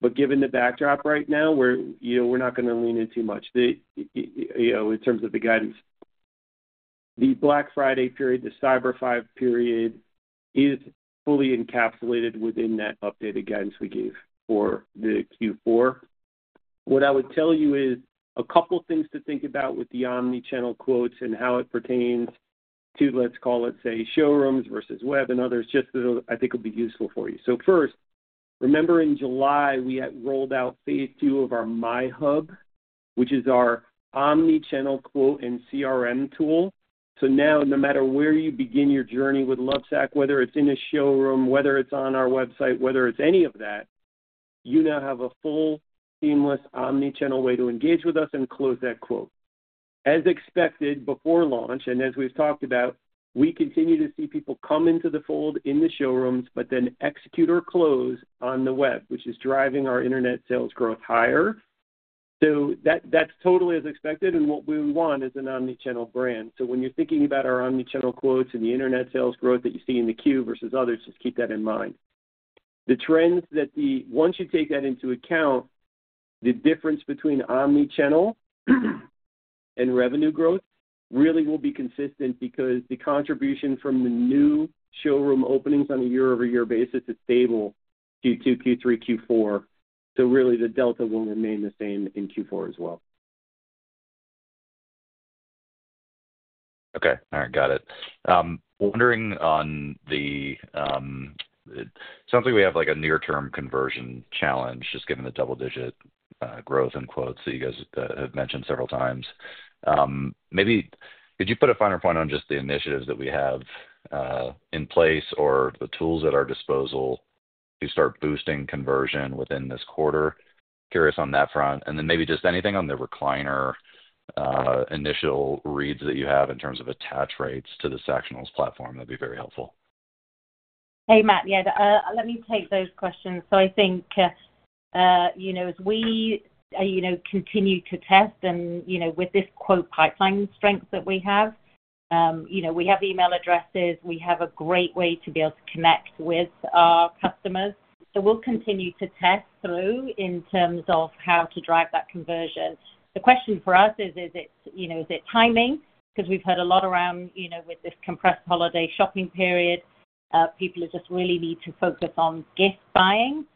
But given the backdrop right now where we're not going to lean in too much in terms of the guidance, the Black Friday period, the Cyber Five period is fully encapsulated within that updated guidance we gave for the Q4. What I would tell you is a couple of things to think about with the omnichannel quotes and how it pertains to, let's call it, say, showrooms versus web and others, just because I think it'll be useful for you. So first, remember in July, we had rolled out phase II of our MyHub, which is our omnichannel quote and CRM tool. So now, no matter where you begin your journey with Lovesac, whether it's in a showroom, whether it's on our website, whether it's any of that, you now have a full, seamless omnichannel way to engage with us and close that quote. As expected before launch, and as we've talked about, we continue to see people come into the fold in the showrooms, but then execute or close on the web, which is driving our internet sales growth higher. So that's totally as expected, and what we want is an omnichannel brand. So when you're thinking about our omnichannel quotes and the internet sales growth that you see in the Q versus others, just keep that in mind. The trends that, once you take that into account, the difference between omnichannel and revenue growth really will be consistent because the contribution from the new showroom openings on a year-over-year basis is stable Q2, Q3, Q4. So really, the delta will remain the same in Q4 as well. Okay. All right. Got it. Wondering on the sounds like we have a near-term conversion challenge just given the double-digit growth in quotes that you guys have mentioned several times. Maybe could you put a finer point on just the initiatives that we have in place or the tools at our disposal to start boosting conversion within this quarter? Curious on that front. And then maybe just anything on the recliner initial reads that you have in terms of attach rates to the Sactionals platform. That'd be very helpful. Hey, Matt. Yeah. Let me take those questions. So, I think as we continue to test and with this quote pipeline strength that we have, we have email addresses. We have a great way to be able to connect with our customers. So we'll continue to test through in terms of how to drive that conversion. The question for us is, is it timing? Because we've heard a lot around with this compressed holiday shopping period, people just really need to focus on gift buying.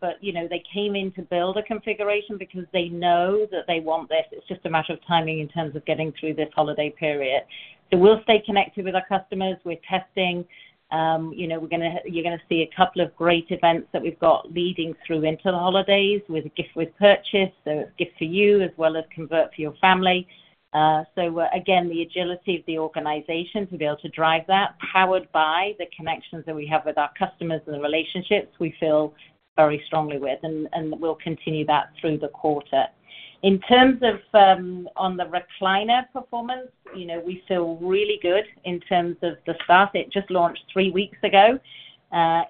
But they came in to build a configuration because they know that they want this. It's just a matter of timing in terms of getting through this holiday period. So we'll stay connected with our customers. We're testing. You're going to see a couple of great events that we've got leading through into the holidays with gift with purchase. So it's gift for you as well as convert for your family. So again, the agility of the organization to be able to drive that, powered by the connections that we have with our customers and the relationships we feel very strongly with. And we'll continue that through the quarter. In terms of the recliner performance, we feel really good in terms of the stuff. It just launched three weeks ago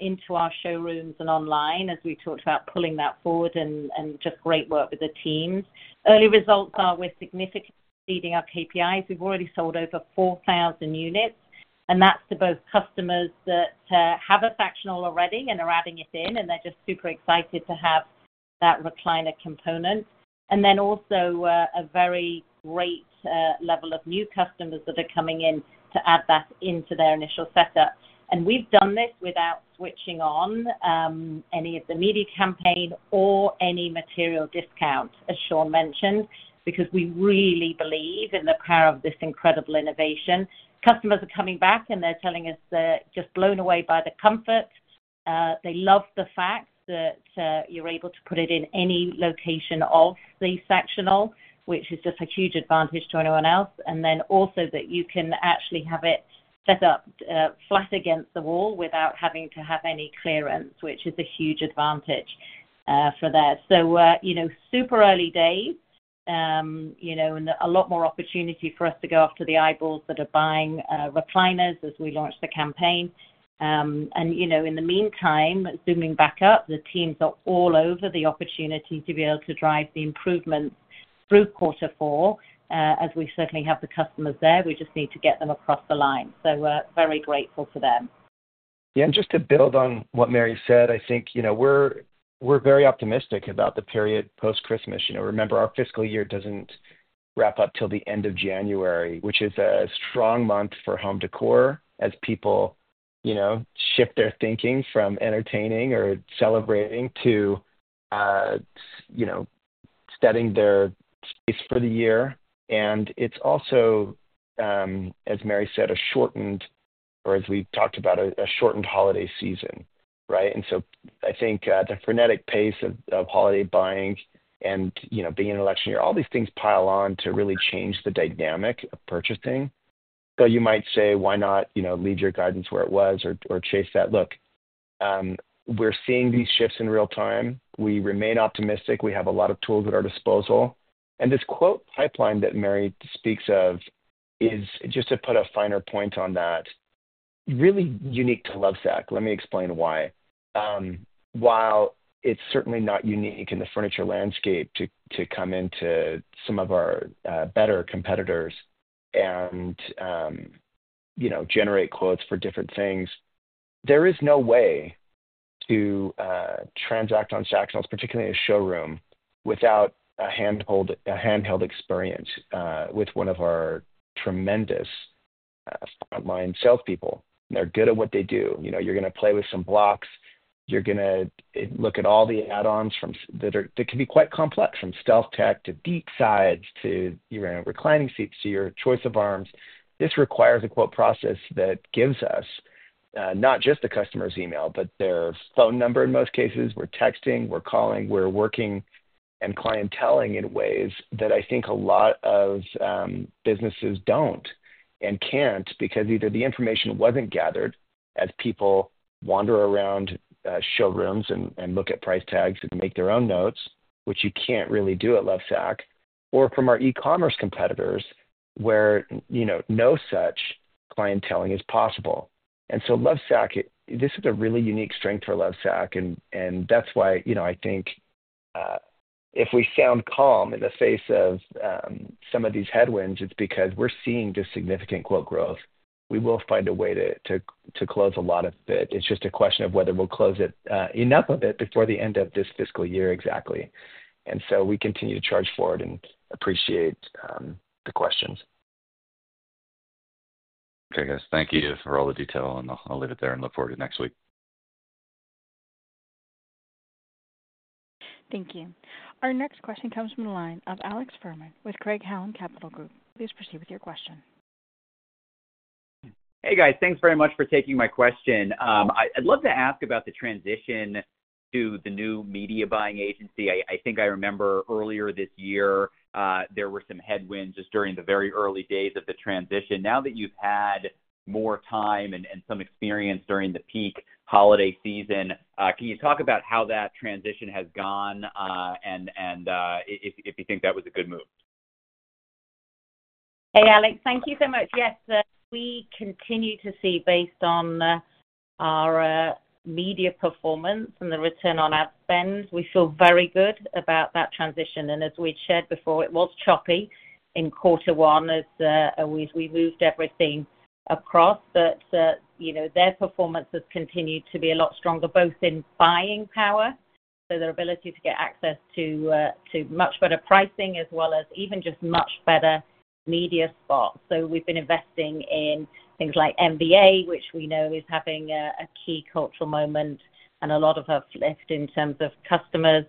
into our showrooms and online as we talked about pulling that forward and just great work with the teams. Early results are we're significantly exceeding our KPIs. We've already sold over 4,000 units. And that's to both customers that have a Sactional already and are adding it in, and they're just super excited to have that recliner component. And then also a very great level of new customers that are coming in to add that into their initial setup. And we've done this without switching on any of the media campaign or any material discount, as Shawn mentioned, because we really believe in the power of this incredible innovation. Customers are coming back, and they're telling us they're just blown away by the comfort. They love the fact that you're able to put it in any location of the sactional, which is just a huge advantage to anyone else. And then also that you can actually have it set up flat against the wall without having to have any clearance, which is a huge advantage for that. So super early days and a lot more opportunity for us to go after the eyeballs that are buying recliners as we launch the campaign. And in the meantime, zooming back up, the teams are all over the opportunity to be able to drive the improvements through Q4 as we certainly have the customers there. We just need to get them across the line. So we're very grateful for them. Yeah. And just to build on what Mary said, I think we're very optimistic about the period post-Christmas. Remember, our fiscal year doesn't wrap up till the end of January, which is a strong month for home decor as people shift their thinking from entertaining or celebrating to setting their space for the year. And it's also, as Mary said, a shortened or as we've talked about, a shortened holiday season, right? And so I think the frenetic pace of holiday buying and being in election year, all these things pile on to really change the dynamic of purchasing. So you might say, "Why not leave your guidance where it was or chase that?" Look, we're seeing these shifts in real time. We remain optimistic. We have a lot of tools at our disposal. And this quote pipeline that Mary speaks of is, just to put a finer point on that, really unique to Lovesac. Let me explain why. While it's certainly not unique in the furniture landscape to come into some of our better competitors and generate quotes for different things, there is no way to transact on Sactionals, particularly in a showroom, without a handheld experience with one of our tremendous frontline salespeople. They're good at what they do. You're going to play with some blocks. You're going to look at all the add-ons that can be quite complex, from StealthTech to deep sides to reclining seats to your choice of arms. This requires a quote process that gives us not just the customer's email, but their phone number in most cases. We're texting. We're calling. We're working and clienteling in ways that I think a lot of businesses don't and can't because either the information wasn't gathered as people wander around showrooms and look at price tags and make their own notes, which you can't really do at Lovesac, or from our e-commerce competitors where no such clienteling is possible. And so Lovesac, this is a really unique strength for Lovesac. And that's why I think if we sound calm in the face of some of these headwinds, it's because we're seeing this significant quote growth. We will find a way to close a lot of it. It's just a question of whether we'll close enough of it before the end of this fiscal year exactly. And so we continue to charge forward and appreciate the questions. Okay, guys. Thank you for all the detail. And I'll leave it there and look forward to next week. Thank you. Our next question comes from the line of Alex Fuhrman with Craig-Hallum Capital Group. Please proceed with your question. Hey, guys. Thanks very much for taking my question. I'd love to ask about the transition to the new media buying agency. I think I remember earlier this year, there were some headwinds just during the very early days of the transition. Now that you've had more time and some experience during the peak holiday season, can you talk about how that transition has gone and if you think that was a good move? Hey, Alex. Thank you so much. Yes. We continue to see, based on our media performance and the return on ad spend, we feel very good about that transition, and as we'd shared before, it was choppy in Q1 as we moved everything across, but their performance has continued to be a lot stronger, both in buying power, so their ability to get access to much better pricing as well as even just much better media spots, so we've been investing in things like NBA, which we know is having a key cultural moment and a lot of a flip in terms of customers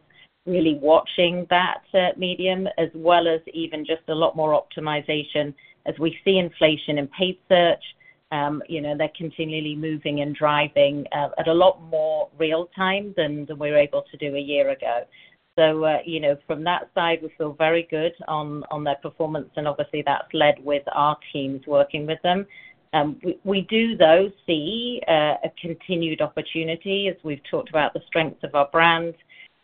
really watching that medium as well as even just a lot more optimization as we see inflation in paid search. They're continually moving and driving at a lot more real time than we were able to do a year ago, so from that side, we feel very good on their performance. And obviously, that's led with our teams working with them. We do, though, see a continued opportunity as we've talked about the strength of our brand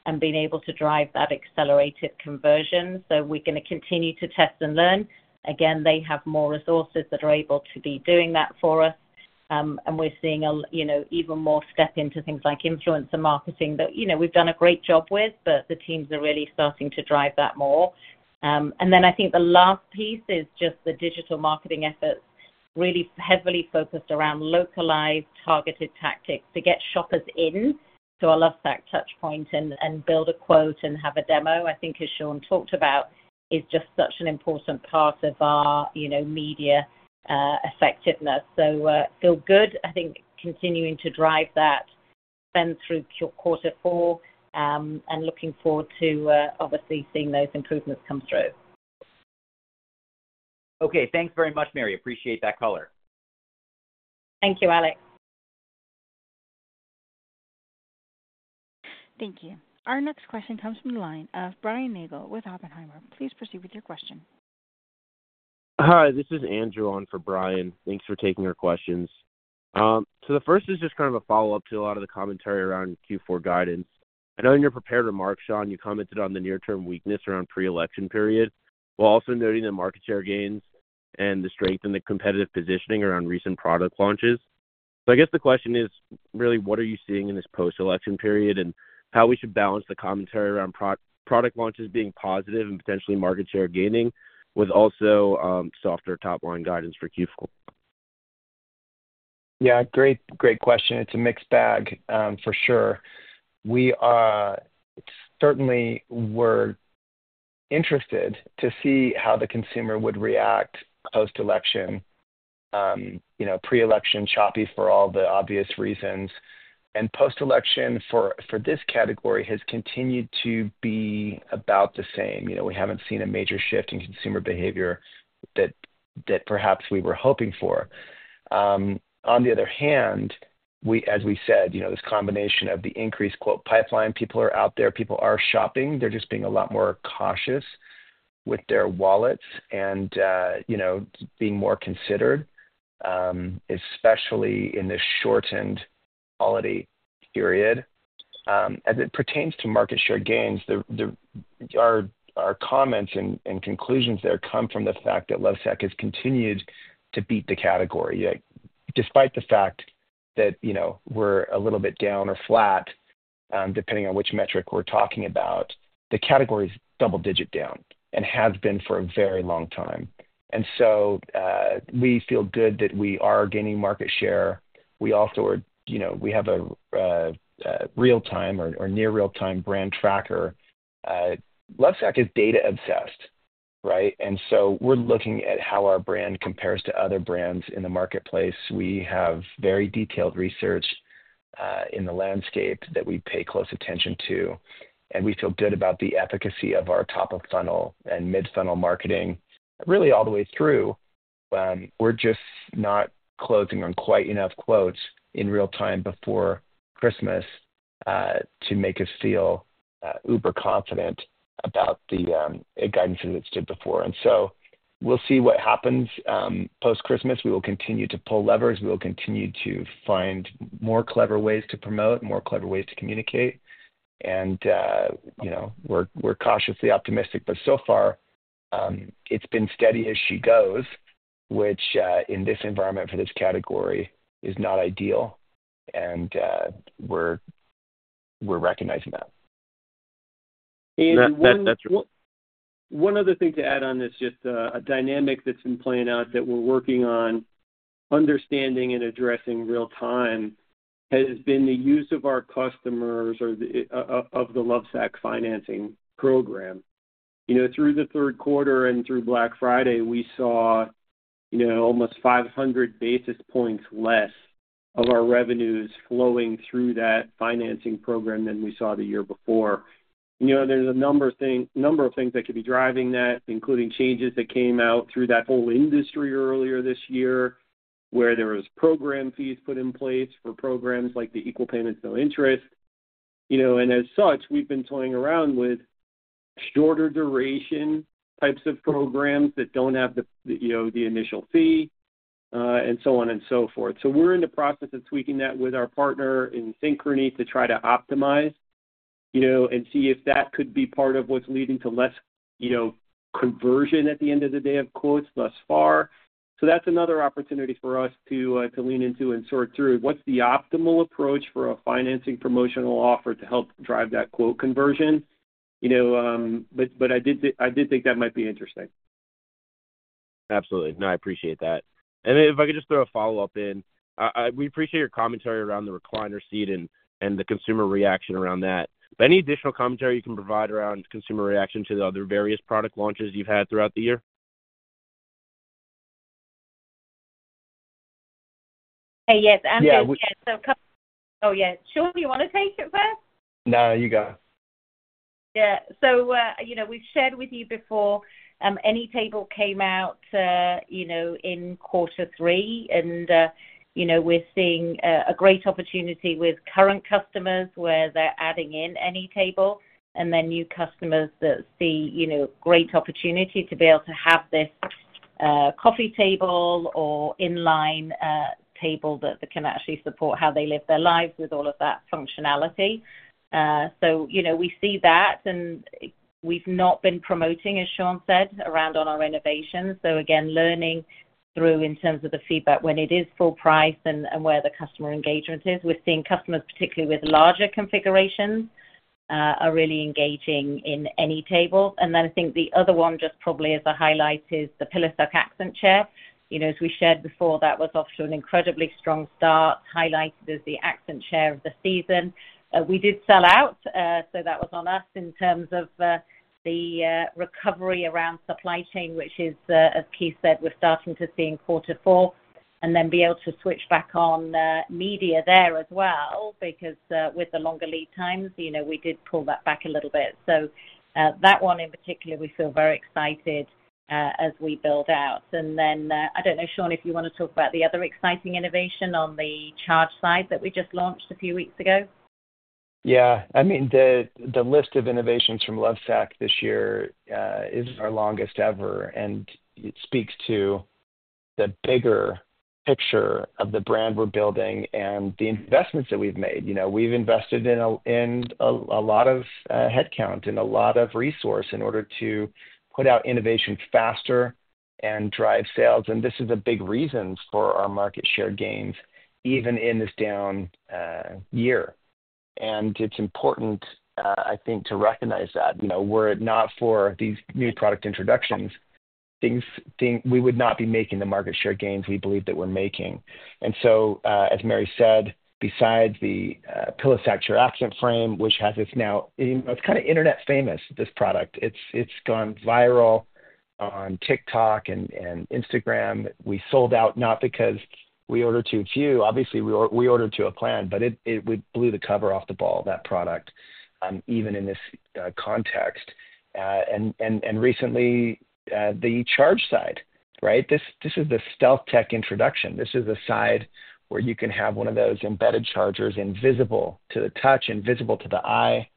and being able to drive that accelerated conversion. So we're going to continue to test and learn. Again, they have more resources that are able to be doing that for us. And we're seeing even more step into things like influencer marketing that we've done a great job with, but the teams are really starting to drive that more. And then I think the last piece is just the digital marketing efforts really heavily focused around localized targeted tactics to get shoppers in. So our Lovesac touchpoint and build a quote and have a demo, I think, as Shawn talked about, is just such an important part of our media effectiveness. So feel good, I think, continuing to drive that spend through Q4 and looking forward to, obviously, seeing those improvements come through. Okay. Thanks very much, Mary. Appreciate that color. Thank you, Alex. Thank you. Our next question comes from the line of Brian Nagel with Oppenheimer. Please proceed with your question. Hi. This is Andrew on for Brian. Thanks for taking our questions. So the first is just kind of a follow-up to a lot of the commentary around Q4 guidance. I know in your prepared remarks, Shawn, you commented on the near-term weakness around pre-election period while also noting the market share gains and the strength and the competitive positioning around recent product launches. So I guess the question is really, what are you seeing in this post-election period and how we should balance the commentary around product launches being positive and potentially market share gaining with also softer top-line guidance for Q4? Yeah. Great question. It's a mixed bag, for sure. Certainly, we're interested to see how the consumer would react post-election, pre-election shopping for all the obvious reasons. And post-election for this category has continued to be about the same. We haven't seen a major shift in consumer behavior that perhaps we were hoping for. On the other hand, as we said, this combination of the increased quote pipeline, people are out there. People are shopping. They're just being a lot more cautious with their wallets and being more considered, especially in this shortened holiday period. As it pertains to market share gains, our comments and conclusions there come from the fact that Lovesac has continued to beat the category. Despite the fact that we're a little bit down or flat, depending on which metric we're talking about, the category is double-digit down and has been for a very long time. And so we feel good that we are gaining market share. We also have a real-time or near-real-time brand tracker. Lovesac is data-obsessed, right? And so we're looking at how our brand compares to other brands in the marketplace. We have very detailed research in the landscape that we pay close attention to. And we feel good about the efficacy of our top-of-funnel and mid-funnel marketing really all the way through. We're just not closing on quite enough quotes in real time before Christmas to make us feel uber confident about the guidance that it's did before. And so we'll see what happens post-Christmas. We will continue to pull levers. We will continue to find more clever ways to promote, more clever ways to communicate. And we're cautiously optimistic. But so far, it's been steady as she goes, which in this environment for this category is not ideal. And we're recognizing that. And one other thing to add on this, just a dynamic that's been playing out that we're working on understanding and addressing real time has been the use of our customers of the Lovesac financing program. Through the Q3 and through Black Friday, we saw almost 500 basis points less of our revenues flowing through that financing program than we saw the year before. There's a number of things that could be driving that, including changes that came out through that whole industry earlier this year where there were program fees put in place for programs like the equal payments, no interest. And as such, we've been toying around with shorter duration types of programs that don't have the initial fee and so on and so forth. So we're in the process of tweaking that with our partner Synchrony to try to optimize and see if that could be part of what's leading to less conversion at the end of the day of quotes thus far. So that's another opportunity for us to lean into and sort through what's the optimal approach for a financing promotional offer to help drive that quote conversion. But I did think that might be interesting. Absolutely. No, I appreciate that. And if I could just throw a follow-up in, we appreciate your commentary around the recliner seat and the consumer reaction around that. But any additional commentary you can provide around consumer reaction to the other various product launches you've had throughout the year? Hey, yes. I'm good. Yeah. So, yeah. Shawn, you want to take it first? No, you go. Yeah. So we've shared with you before, AnyTable came out in Q3. And we're seeing a great opportunity with current customers where they're adding in AnyTable and then new customers that see a great opportunity to be able to have this coffee table or inline table that can actually support how they live their lives with all of that functionality. So we see that. And we've not been promoting, as Shawn said, around on our innovations. So, again, learning through in terms of the feedback when it is full price and where the customer engagement is. We're seeing customers, particularly with larger configurations, are really engaging in AnyTable. And then I think the other one just probably as a highlight is the PillowSac Accent Chair. As we shared before, that was off to an incredibly strong start, highlighted as the Accent Chair of the season. We did sell out. So that was on us in terms of the recovery around supply chain, which is, as Keith said, we're starting to see in Q4 and then be able to switch back on media there as well because with the longer lead times, we did pull that back a little bit. So that one in particular, we feel very excited as we build out. And then I don't know, Shawn, if you want to talk about the other exciting innovation on the Charge-Side that we just launched a few weeks ago. Yeah. I mean, the list of innovations from Lovesac this year is our longest ever. And it speaks to the bigger picture of the brand we're building and the investments that we've made. We've invested in a lot of headcount and a lot of resource in order to put out innovation faster and drive sales. And this is a big reason for our market share gains even in this down year. And it's important, I think, to recognize that. Were it not for these new product introductions. We would not be making the market share gains we believe that we're making. And so, as Mary said, besides the PillowSac Accent Chair Frame, which has, now it's kind of internet-famous, this product. It's gone viral on TikTok and Instagram. We sold out not because we ordered too few. Obviously, we ordered to a plan, but it blew the cover off the ball, that product, even in this context. And recently, the Charge-Side, right? This is the StealthTech introduction. This is the side where you can have one of those embedded chargers invisible to the touch, invisible to the eye,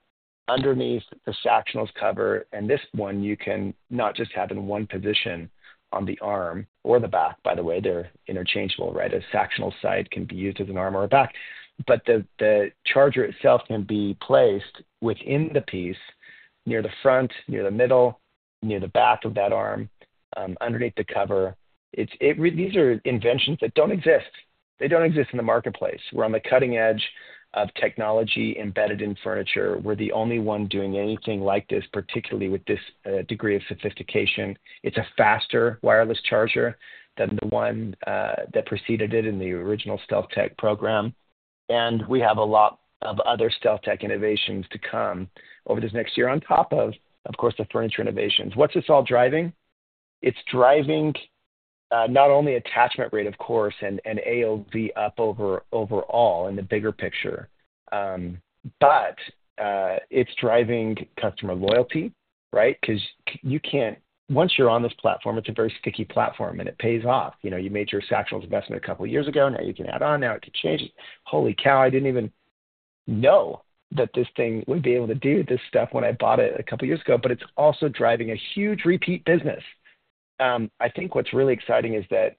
underneath the Sactional's cover. And this one, you can not just have in one position on the arm or the back, by the way. They're interchangeable, right? A Sactional side can be used as an arm or a back. But the charger itself can be placed within the piece near the front, near the middle, near the back of that arm, underneath the cover. These are inventions that don't exist. They don't exist in the marketplace. We're on the cutting edge of technology embedded in furniture. We're the only one doing anything like this, particularly with this degree of sophistication. It's a faster wireless charger than the one that preceded it in the original StealthTech program. And we have a lot of other StealthTech innovations to come over this next year on top of, of course, the furniture innovations. What's this all driving? It's driving not only attachment rate, of course, and AOV up overall in the bigger picture, but it's driving customer loyalty, right? Because once you're on this platform, it's a very sticky platform, and it pays off. You made your Sactional investment a couple of years ago. Now you can add on. Now it could change. Holy cow, I didn't even know that this thing would be able to do this stuff when I bought it a couple of years ago. But it's also driving a huge repeat business. I think what's really exciting is that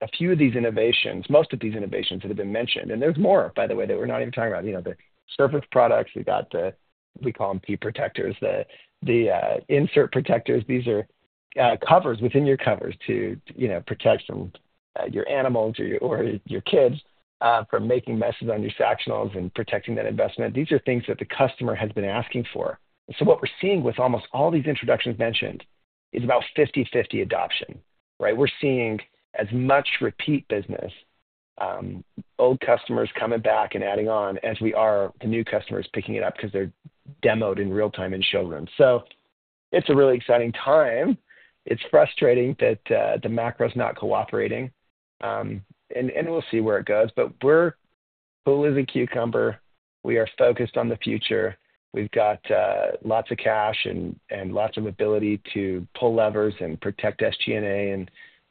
a few of these innovations, most of these innovations that have been mentioned, and there's more, by the way, that we're not even talking about. The surface products, we call them IP Protectors, the Insert Protectors. These are covers within your covers to protect your animals or your kids from making messes on your Sactionals and protecting that investment. These are things that the customer has been asking for. So what we're seeing with almost all these introductions mentioned is about 50/50 adoption, right? We're seeing as much repeat business, old customers coming back and adding on as we are the new customers picking it up because they're demoed in real time in showrooms. So it's a really exciting time. It's frustrating that the macro is not cooperating. And we'll see where it goes. But we're full as a cucumber. We are focused on the future. We've got lots of cash and lots of ability to pull levers and protect SG&A.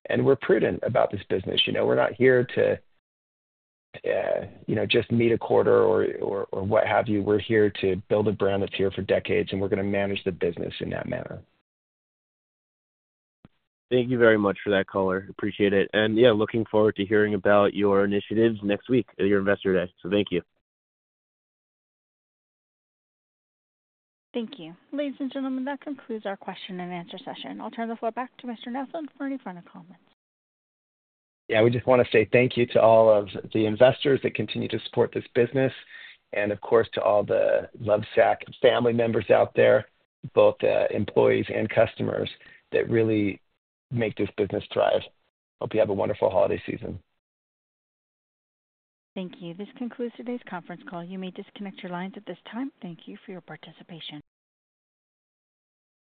And we're prudent about this business. We're not here to just meet a quarter or what have you. We're here to build a brand that's here for decades, and we're going to manage the business in that manner. Thank you very much for that, Color. Appreciate it. And yeah, looking forward to hearing about your initiatives next week at your investor day. So thank you. Thank you. Ladies and gentlemen, that concludes our question and answer session. I'll turn the floor back to Mr. Nelson for any final comments. Yeah. We just want to say thank you to all of the investors that continue to support this business and, of course, to all the Lovesac family members out there, both employees and customers that really make this business thrive. Hope you have a wonderful holiday season. Thank you. This concludes today's conference call. You may disconnect your lines at this time. Thank you for your participation.